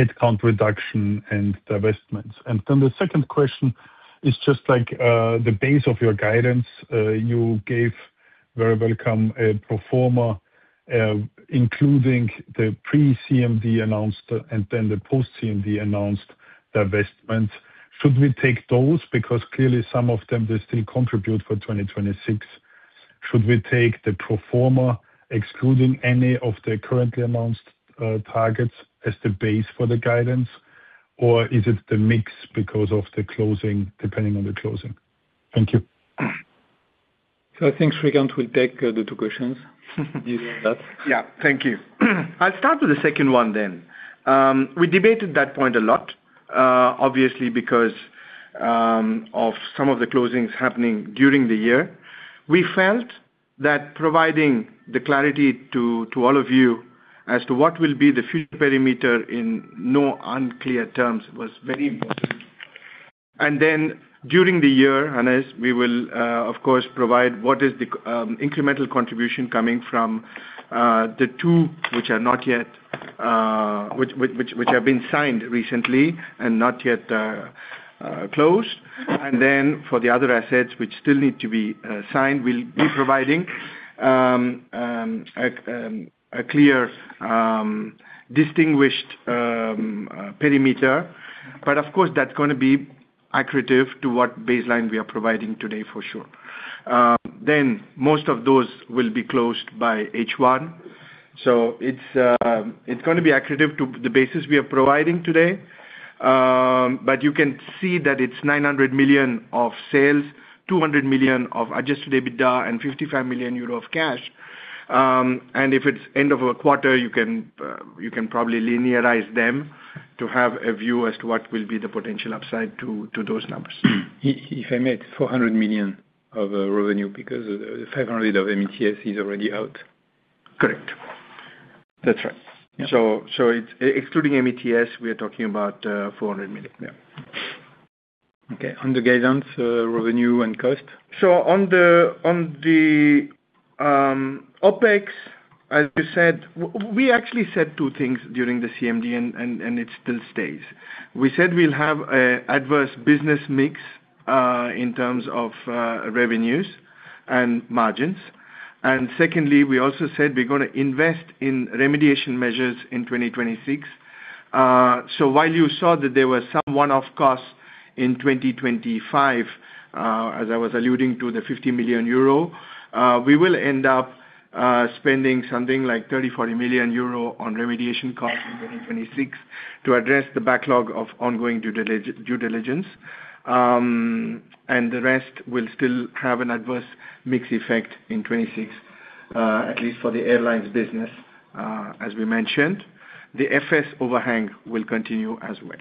headcount reduction and divestments. Then the second question is just like the base of your guidance. You gave very welcome pro forma, including the pre-CMD announced and then the post-CMD announced divestment. Should we take those? Because clearly some of them, they still contribute for 2026. Should we take the pro forma excluding any of the currently announced targets as the base for the guidance? Or is it the mix because of the closing, depending on the closing? Thank you. I think Srikanth will take, the two questions. You hear that? Yeah. Thank you. I'll start with the second one then. We debated that point a lot, obviously, because of some of the closings happening during the year. We felt that providing the clarity to all of you as to what will be the future perimeter in no unclear terms, was very important. During the year, unless we will, of course, provide what is the incremental contribution coming from the two which are not yet, which have been signed recently and not yet closed. For the other assets which still need to be signed, we'll be providing a clear, distinguished perimeter. Of course, that's gonna be accretive to what baseline we are providing today, for sure. Most of those will be closed by H1, so it's gonna be accretive to the basis we are providing today. You can see that it's 900 million of sales, 200 million of adjusted EBITDA, and 55 million euro of cash. If it's end of a quarter, you can probably linearize them to have a view as to what will be the potential upside to those numbers. If I made 400 million of revenue because the 500 million of MeTS is already out. Correct. That's right. Yeah. Excluding MeTS, we are talking about 400 million. Yeah. Okay, on the guidance, revenue and cost? On the OpEx, as we said, we actually said 2 things during the CMD, and it still stays. We said we'll have a adverse business mix in terms of revenues and margins. Secondly, we also said we're gonna invest in remediation measures in 2026. While you saw that there were some one-off costs in 2025, as I was alluding to the 50 million euro, we will end up spending something like 30, 40 million on remediation costs in 2026 to address the backlog of ongoing due diligence. The rest will still have an adverse mix effect in 2026, at least for the airlines business, as we mentioned. The FS overhang will continue as well.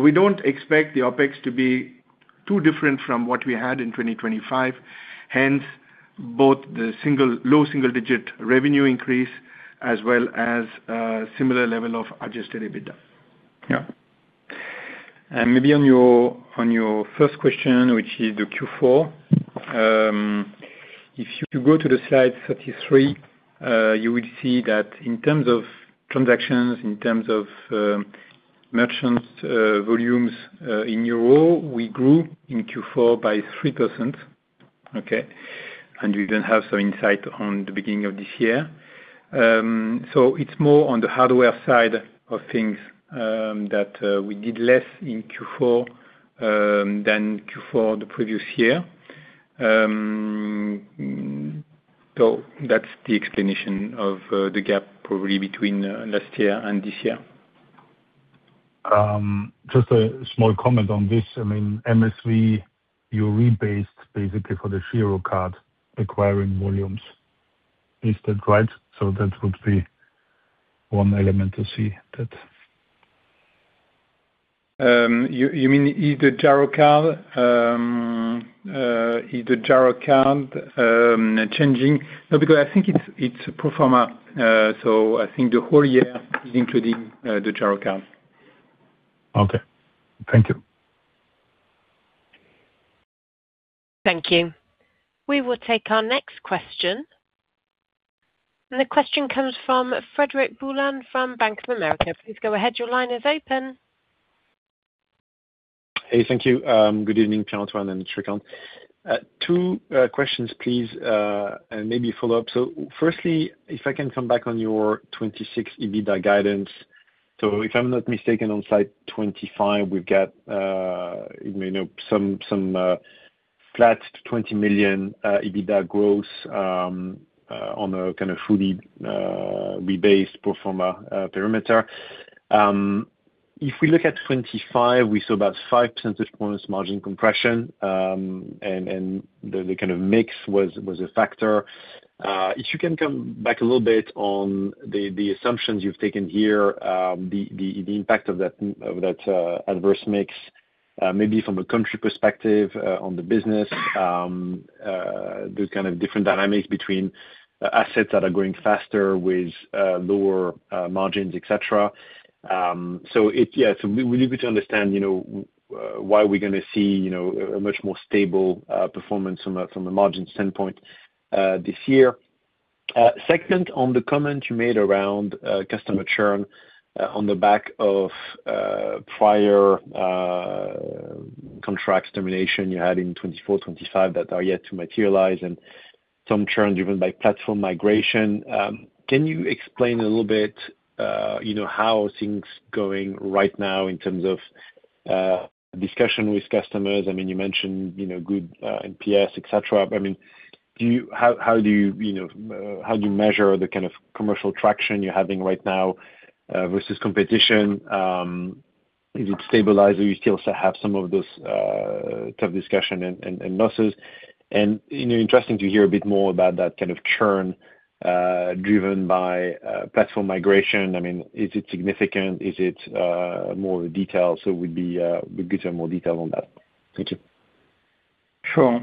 We don't expect the OpEx to be too different from what we had in 2025, hence both the single, low-single-digit revenue increase as well as similar level of adjusted EBITDA. Yeah. Maybe on your, on your first question, which is the Q4, if you go to the Slide 33, you will see that in terms of transactions, in terms of merchants, volumes, in EUR, we grew in Q4 by 3%. We then have some insight on the beginning of this year. It's more on the hardware side of things, that we did less in Q4 than Q4 the previous year. That's the explanation of the gap probably between last year and this year. Just a small comment on this. I mean, MSV, you rebased basically for the Girocard acquiring volumes. Is that right? That would be one element to see that. You mean is the Girocard changing? No, because I think it's a pro forma. I think the whole year is including the Girocard. Okay. Thank you. Thank you. We will take our next question. The question comes from Frederic Boulan from Bank of America. Please go ahead. Your line is open. Hey, thank you. Good evening, Pierre-Antoine and Srikanth. Two questions, please, and maybe follow up. If I can come back on your 2026 EBITDA guidance. On Slide 25, we've got, you know, some flat 20 million EBITDA growth on a kind of fully rebased pro forma perimeter. If we look at 2025, we saw about 5 percentage points margin compression, and the kind of mix was a factor. If you can come back a little bit on the assumptions you've taken here, the impact of that adverse mix, maybe from a country perspective, on the business, the kind of different dynamics between assets that are growing faster with lower margins, et cetera. Yeah, so we need to understand, you know, why we're gonna see a much more stable performance from a margin standpoint this year. Second, on the comment you made around customer churn, on the back of prior contract termination you had in 2024, 2025 that are yet to materialize and some churn driven by platform migration, can you explain a little bit, you know, how are things going right now in terms of... discussion with customers? I mean, you mentioned, you know, good NPS, et cetera. I mean, do you, how do you know, how do you measure the kind of commercial traction you're having right now, versus competition? Is it stabilized, or you still sort of have some of those tough discussion and losses? You know, interesting to hear a bit more about that kind of churn, driven by platform migration. I mean, is it significant? Is it more detailed? Would be, would get some more detail on that. Thank you. Sure.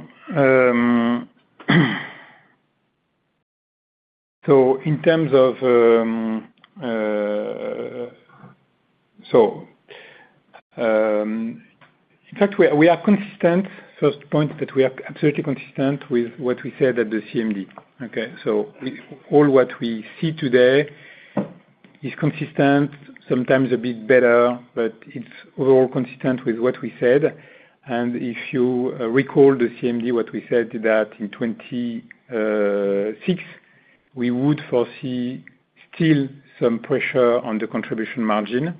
In terms of, in fact, we are consistent. First point, that we are absolutely consistent with what we said at the CMD, okay? All what we see today is consistent, sometimes a bit better, but it's overall consistent with what we said. If you recall the CMD, what we said that in 2026, we would foresee still some pressure on the contribution margin.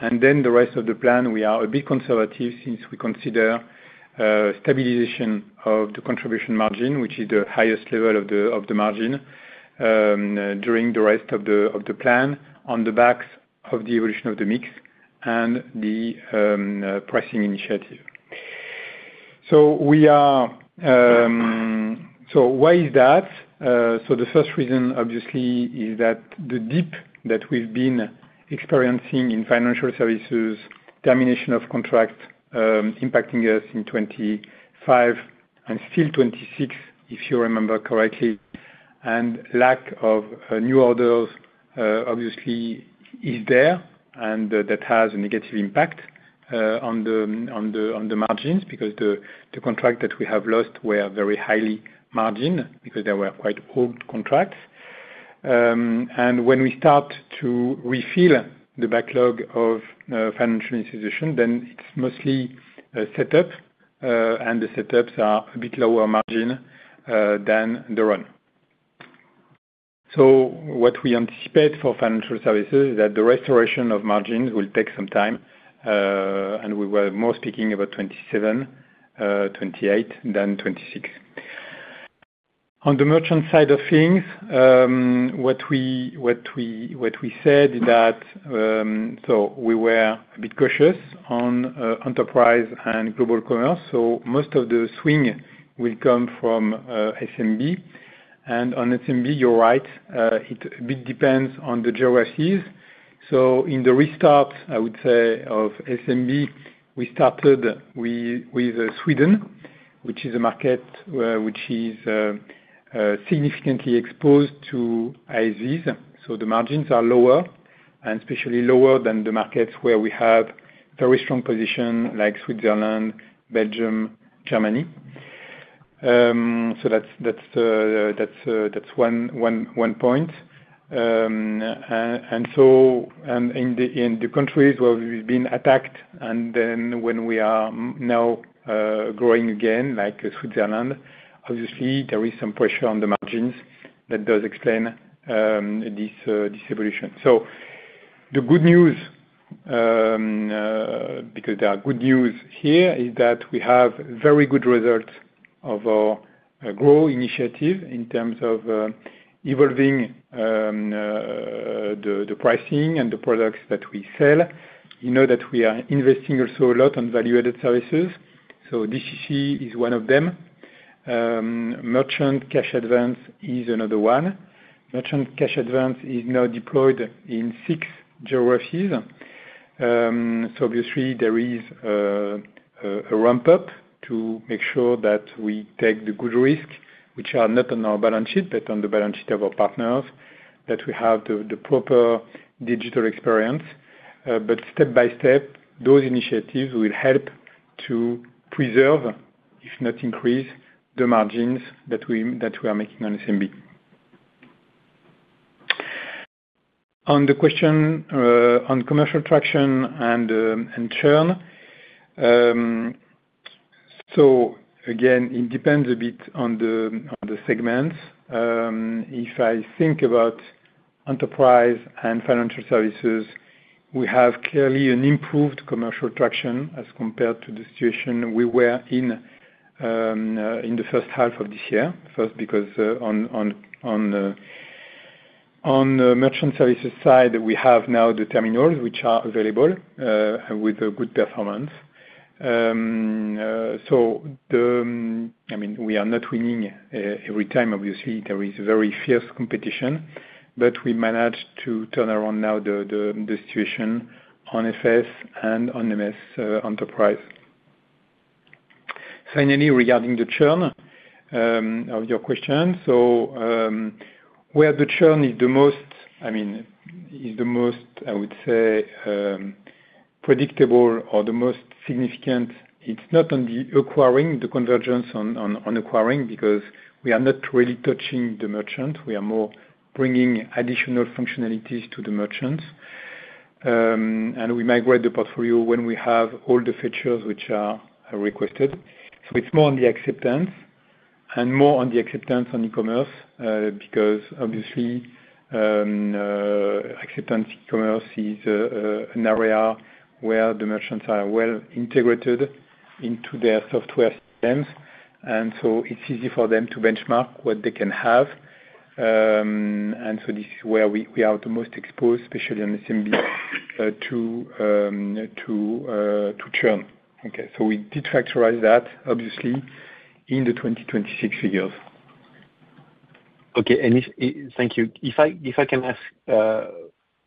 The rest of the plan, we are a bit conservative since we consider stabilization of the contribution margin, which is the highest level of the margin, during the rest of the plan, on the backs of the evolution of the mix and the pricing initiative. We are. Why is that? The first reason, obviously, is that the dip that we've been experiencing in financial services, termination of contract, impacting us in 2025 and still 2026, if you remember correctly. Lack of new orders obviously is there, and that has a negative impact on the margins, because the contract that we have lost were very highly margined, because they were quite old contracts. When we start to refill the backlog of financial institution, then it's mostly setup, and the setups are a bit lower margin than the run. What we anticipate for financial services is that the restoration of margins will take some time, and we were more speaking about 2027, 2028, than 2026. On the merchant side of things, what we said is that, we were a bit cautious on enterprise and global commerce. Most of the swing will come from SMB. On SMB, you're right, it a bit depends on the geographies. In the restart, I would say, of SMB, we started with Sweden, which is a market, which is significantly exposed to Interchange. The margins are lower and especially lower than the markets where we have very strong position, like Switzerland, Belgium, Germany. That's one point. In the countries where we've been attacked and then when we are now growing again, like Switzerland, obviously there is some pressure on the margins that does explain this evolution. The good news, because there are good news here, is that we have very good results of our growth initiative in terms of evolving the pricing and the products that we sell. You know, that we are investing also a lot on value-added services, so DCC is one of them. Merchant cash advance is another one. Merchant cash advance is now deployed in six geographies. Obviously there is a ramp-up to make sure that we take the good risk, which are not on our balance sheet, but on the balance sheet of our partners, that we have the proper digital experience. Step by step, those initiatives will help to preserve, if not increase, the margins that we are making on SMB. On the question on commercial traction and churn. Again, it depends a bit on the segments. If I think about enterprise and financial services, we have clearly an improved commercial traction as compared to the situation we were in in the first half of this year. First, because on the merchant services side, we have now the terminals, which are available with a good performance. I mean, we are not winning every time. Obviously, there is very fierce competition, but we managed to turn around now the situation on FS and on MS enterprise. Finally, regarding the churn of your question. Where the churn is the most, I mean, I would say, predictable or the most significant, it's not on the acquiring, the convergence on acquiring, because we are not really touching the merchant. We are more bringing additional functionalities to the merchants. And we migrate the portfolio when we have all the features which are requested. It's more on the acceptance. More on the acceptance on e-commerce, because obviously, acceptance e-commerce is an area where the merchants are well integrated into their software systems, and so it's easy for them to benchmark what they can have. So this is where we are the most exposed, especially on the SMB, to churn. Okay, we did factorize that obviously, in the 2026 figures. Okay. Thank you. If I can ask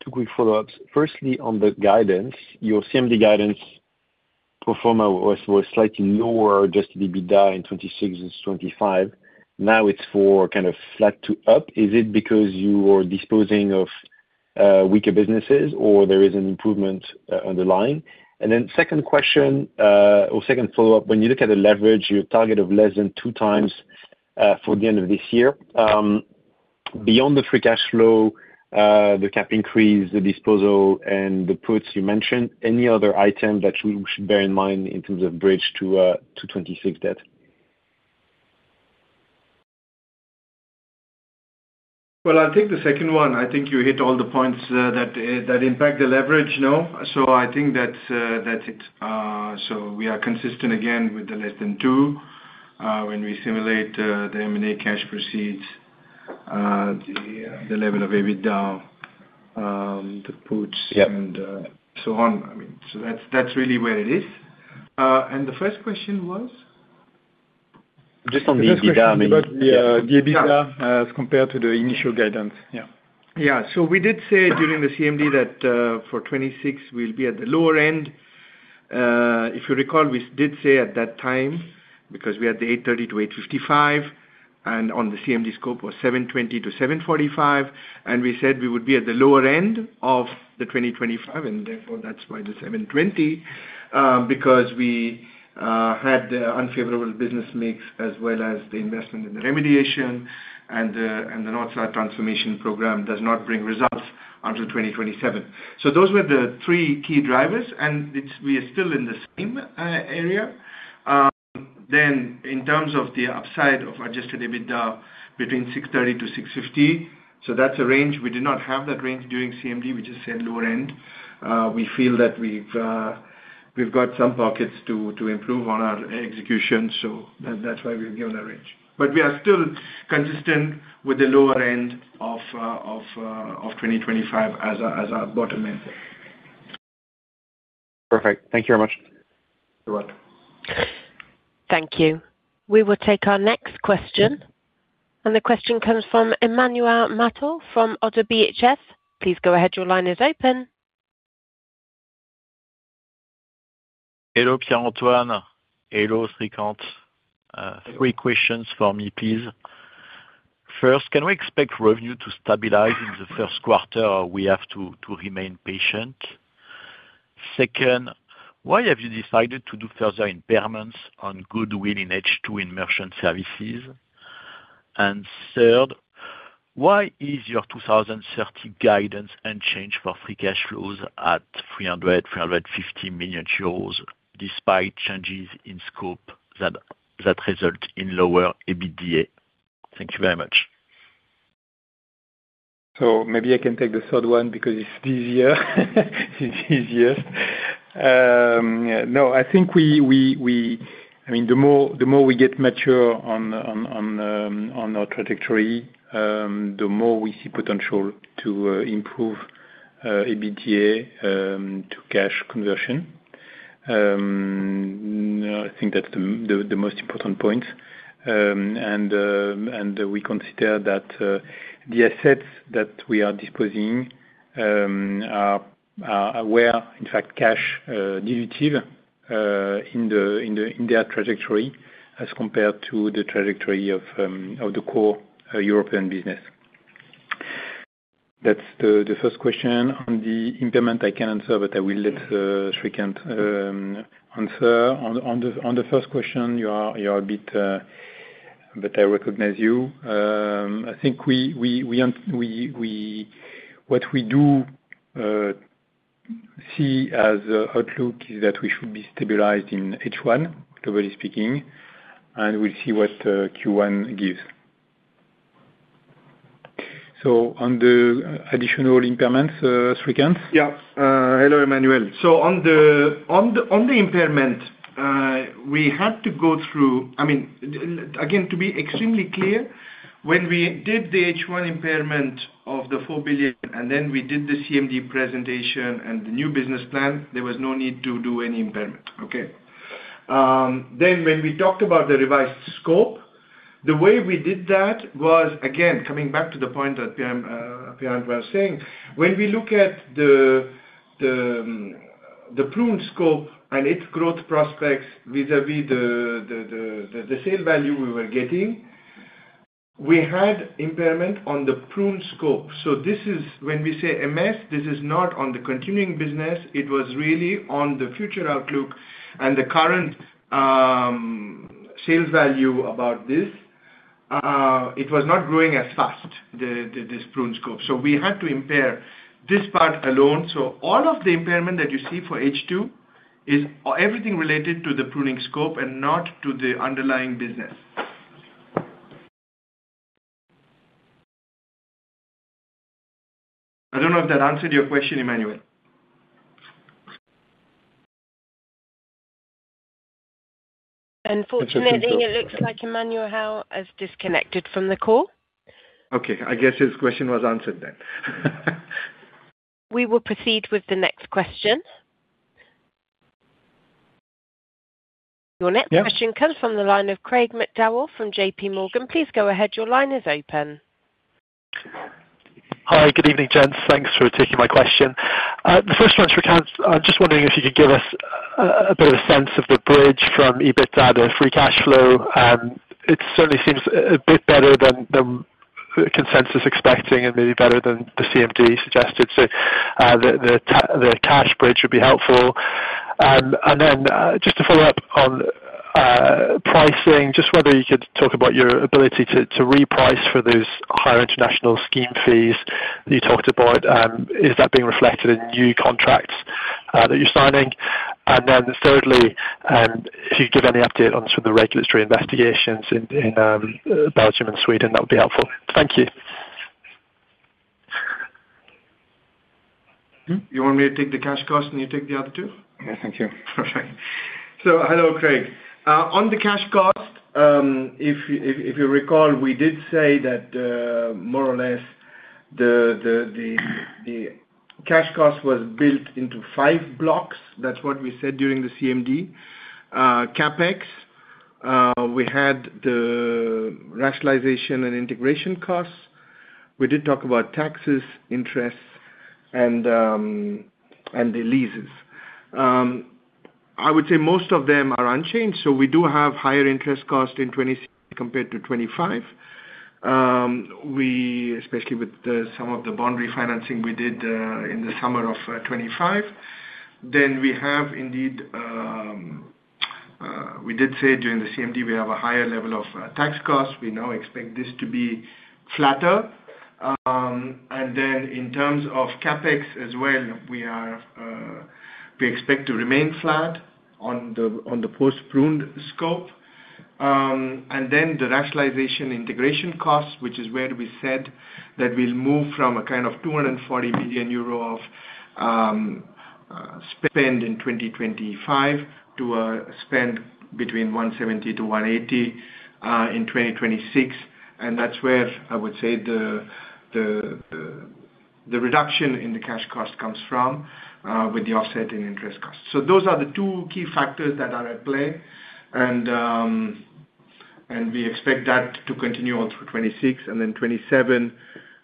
two quick follow-ups. Firstly, on the guidance, your CMD guidance performer was slightly lower, adjusted EBITDA in 2026 and 2025. Now it's for kind of flat to up. Is it because you are disposing of weaker businesses, or there is an improvement on the line? Second question, or second follow-up, when you look at the leverage, your target of less than 2x for the end of this year, beyond the free cash flow, the CapEx increase, the disposal and the puts you mentioned, any other item that we should bear in mind in terms of bridge to 2026 debt? I'll take the second one. I think you hit all the points that impact the leverage, no? I think that's it. We are consistent again with the less than 2x when we simulate the M&A cash proceeds, the level of EBITDA, the puts, and so on. I mean, that's really where it is. The first question was? Just on the EBITDA, I mean, yeah. The EBITDA, as compared to the initial guidance, yeah. Yeah. We did say during the CMD that, for 2026, we'll be at the lower end. If you recall, we did say at that time, because we had the 830 million-855 million, and on the CMD scope was 720 million-745 million, and we said we would be at the lower end of 2025, and therefore, that's why the 720. Because we had the unfavorable business mix, as well as the investment in the remediation and the North Star transformation program does not bring results until 2027. Those were the three key drivers, and we are still in the same area. In terms of the upside of adjusted EBITDA, between 630 million- 650 million, so that's a range. We did not have that range during CMD, we just said lower end. We feel that we've got some pockets to improve on our execution, that's why we've given that range. We are still consistent with the lower end of 2025 as our bottom end. Perfect. Thank you very much. You're welcome. Thank you. We will take our next question, the question comes from Emmanuel Matot, from ODDO BHF. Please go ahead, your line is open. Pierre-Antoine Vacheron. hello, Srikanth. Three questions for me, please. First, can we expect revenue to stabilize in the first quarter, or we have to remain patient? Second, why have you decided to do further impairments on goodwill in H2 in merchant services? Third, why is your 2030 guidance unchanged for free cash flows at 350 million euros, despite changes in scope that result in lower EBITDA? Thank you very much. Maybe I can take the third one, because it's easier. It's easiest. No, I mean, the more, the more we get mature on our trajectory, the more we see potential to improve EBITDA to cash conversion. I think that's the most important point. We consider that the assets that we are disposing are where, in fact, cash dilutive in their trajectory as compared to the trajectory of the core European business. That's the first question. On the impairment, I can't answer, but I will let Srikanth answer. On the first question, you are a bit. I recognize you. I think we what we do, see as a outlook is that we should be stabilized in H1, generally speaking, and we'll see what Q1 gives. On the additional impairments, Srikanth? Hello, Emmanuel. On the impairment, I mean, again, to be extremely clear, when we did the H1 impairment of the 4 billion, and then we did the CMD presentation and the new business plan, there was no need to do any impairment, okay? Then when we talked about the revised scope, the way we did that was, again, coming back to the point that Pierre was saying, when we look at the pruned scope and its growth prospects vis-à-vis the sale value we were getting, we had impairment on the pruned scope. When we say MS, this is not on the continuing business, it was really on the future outlook and the current sales value about this. It was not growing as fast, this pruned scope, so we had to impair this part alone. All of the impairment that you see for H2 is-- everything related to the pruning scope and not to the underlying business? I don't know if that answered your question, Emmanuel. Unfortunately, it looks like Emmanuel now has disconnected from the call. Okay, I guess his question was answered then. We will proceed with the next question comes from the line of Craig McDowell from JPMorgan. Please go ahead. Your line is open. Hi, good evening, gents. Thanks for taking my question. The first one's for Srikanth. I'm just wondering if you could give us a better sense of the bridge from EBITDA to free cashflow. It certainly seems a bit better than the consensus expecting and maybe better than the CMD suggested. The cash bridge would be helpful. Just to follow up on pricing, just whether you could talk about your ability to reprice for those higher international scheme fees that you talked about. Is that being reflected in new contracts that you're signing? Thirdly, if you could give any update on sort of the regulatory investigations in Belgium and Sweden, that would be helpful. Thank you. You want me to take the cash cost, and you take the other two? Yeah. Thank you. Hello, Craig. On the cash cost, we did say that more or less the cash cost was built into five blocks. That's what we said during the CMD. CapEx, we had the rationalization and integration costs. We did talk about taxes, interest, and the leases. I would say most of them are unchanged. We do have higher interest costs in 2026 compared to 2025. We, especially with some of the bond refinancing we did in the summer of 2025. We have indeed, we did say during the CMD, we have a higher level of tax costs. We now expect this to be flatter. Then in terms of CapEx as well, we expect to remain flat on the post-pruned scope. Then the rationalization integration cost, which is where we said that we'll move from a kind of 240 billion euro of spend in 2025, to a spend between 170 million-180 million in 2026. That's where I would say the reduction in the cash cost comes from, with the offset in interest costs. Those are the two key factors that are at play, and we expect that to continue on through 2026. Then 2027,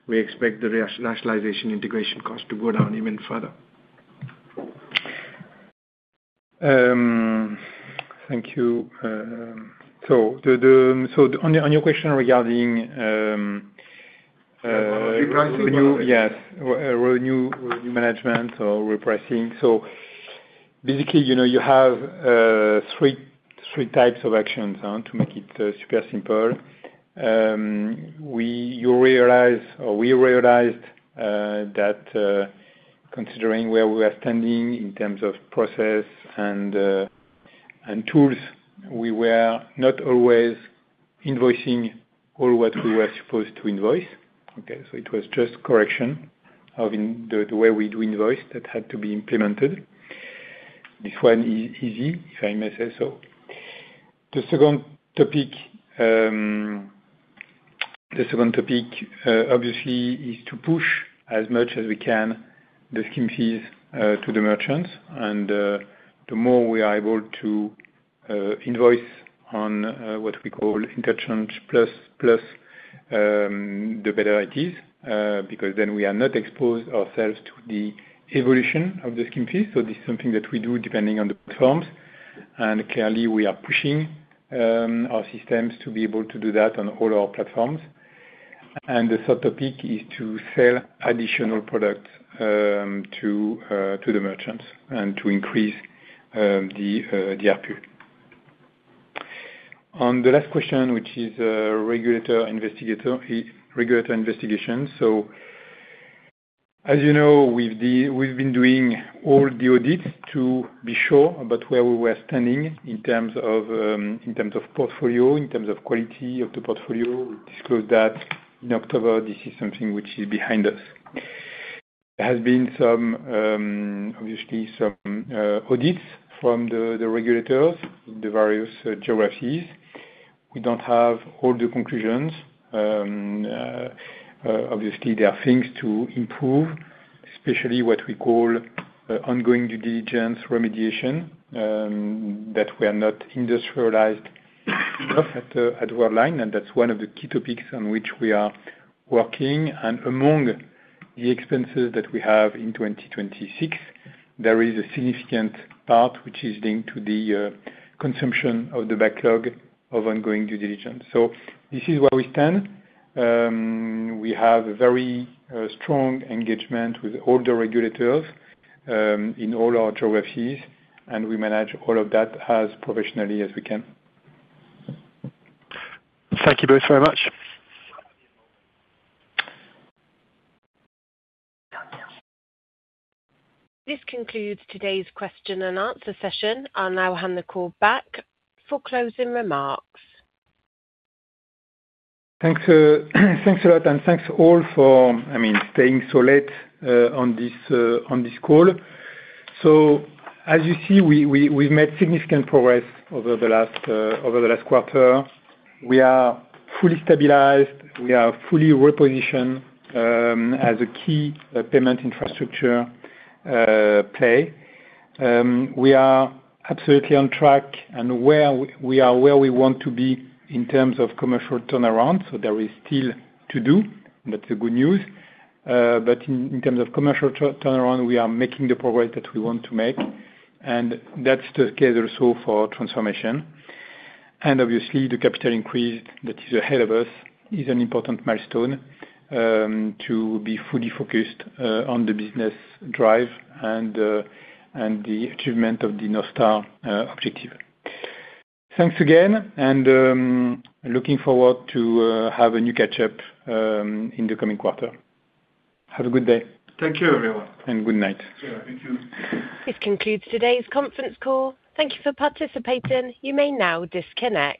we expect the rationalization integration cost to go down even further. Thank you. On your question regarding— Repricing? Yes. renew, management or repricing. Basically, you know, you have three types of actions to make it super simple. We realized that considering where we are standing in terms of process and tools, we were not always invoicing all what we were supposed to invoice, okay? It was just correction of the way we do invoice that had to be implemented. This one is easy, if I may say so. The second topic, obviously, is to push as much as we can the scheme fees to the merchants. The more we are able to invoice on what we call interchange plus plus, the better it is because then we are not exposed ourselves to the evolution of the scheme fees. This is something that we do depending on the platforms. Clearly, we are pushing our systems to be able to do that on all our platforms. The third topic is to sell additional products to the merchants and to increase the ARPU. On the last question, which is regulator investigator, regulator investigation. As you know, we've been doing all the audits to be sure about where we were standing in terms of portfolio, in terms of quality of the portfolio. We disclosed that in October, this is something which is behind us. There has been some, obviously some, audits from the regulators, in the various geographies. We don't have all the conclusions. Obviously, there are things to improve, especially what we call ongoing due diligence remediation, that we are not industrialized enough at Worldline, and that's one of the key topics on which we are working. Among the expenses that we have in 2026, there is a significant part which is linked to the consumption of the backlog of ongoing due diligence. This is where we stand. We have a very strong engagement with all the regulators, in all our geographies, and we manage all of that as professionally as we can. Thank you both very much. This concludes today's question-and-answer session. I'll now hand the call back for closing remarks. Thanks, thanks a lot, and thanks all for, I mean, staying so late, on this, on this call. As you see, we've made significant progress over the last, over the last quarter. We are fully stabilized. We are fully repositioned, as a key payment infrastructure, pay. We are absolutely on track and We are where we want to be in terms of commercial turnaround, so there is still to do. That's the good news. But in terms of commercial turnaround, we are making the progress that we want to make, and that's the case also for transformation. Obviously, the capital increase that is ahead of us is an important milestone, to be fully focused, on the business drive and the achievement of the North Star objective. Thanks again, and looking forward to have a new catch-up in the coming quarter. Have a good day. Thank you, everyone. Good night. Yeah, thank you. This concludes today's conference call. Thank you for participating. You may now disconnect.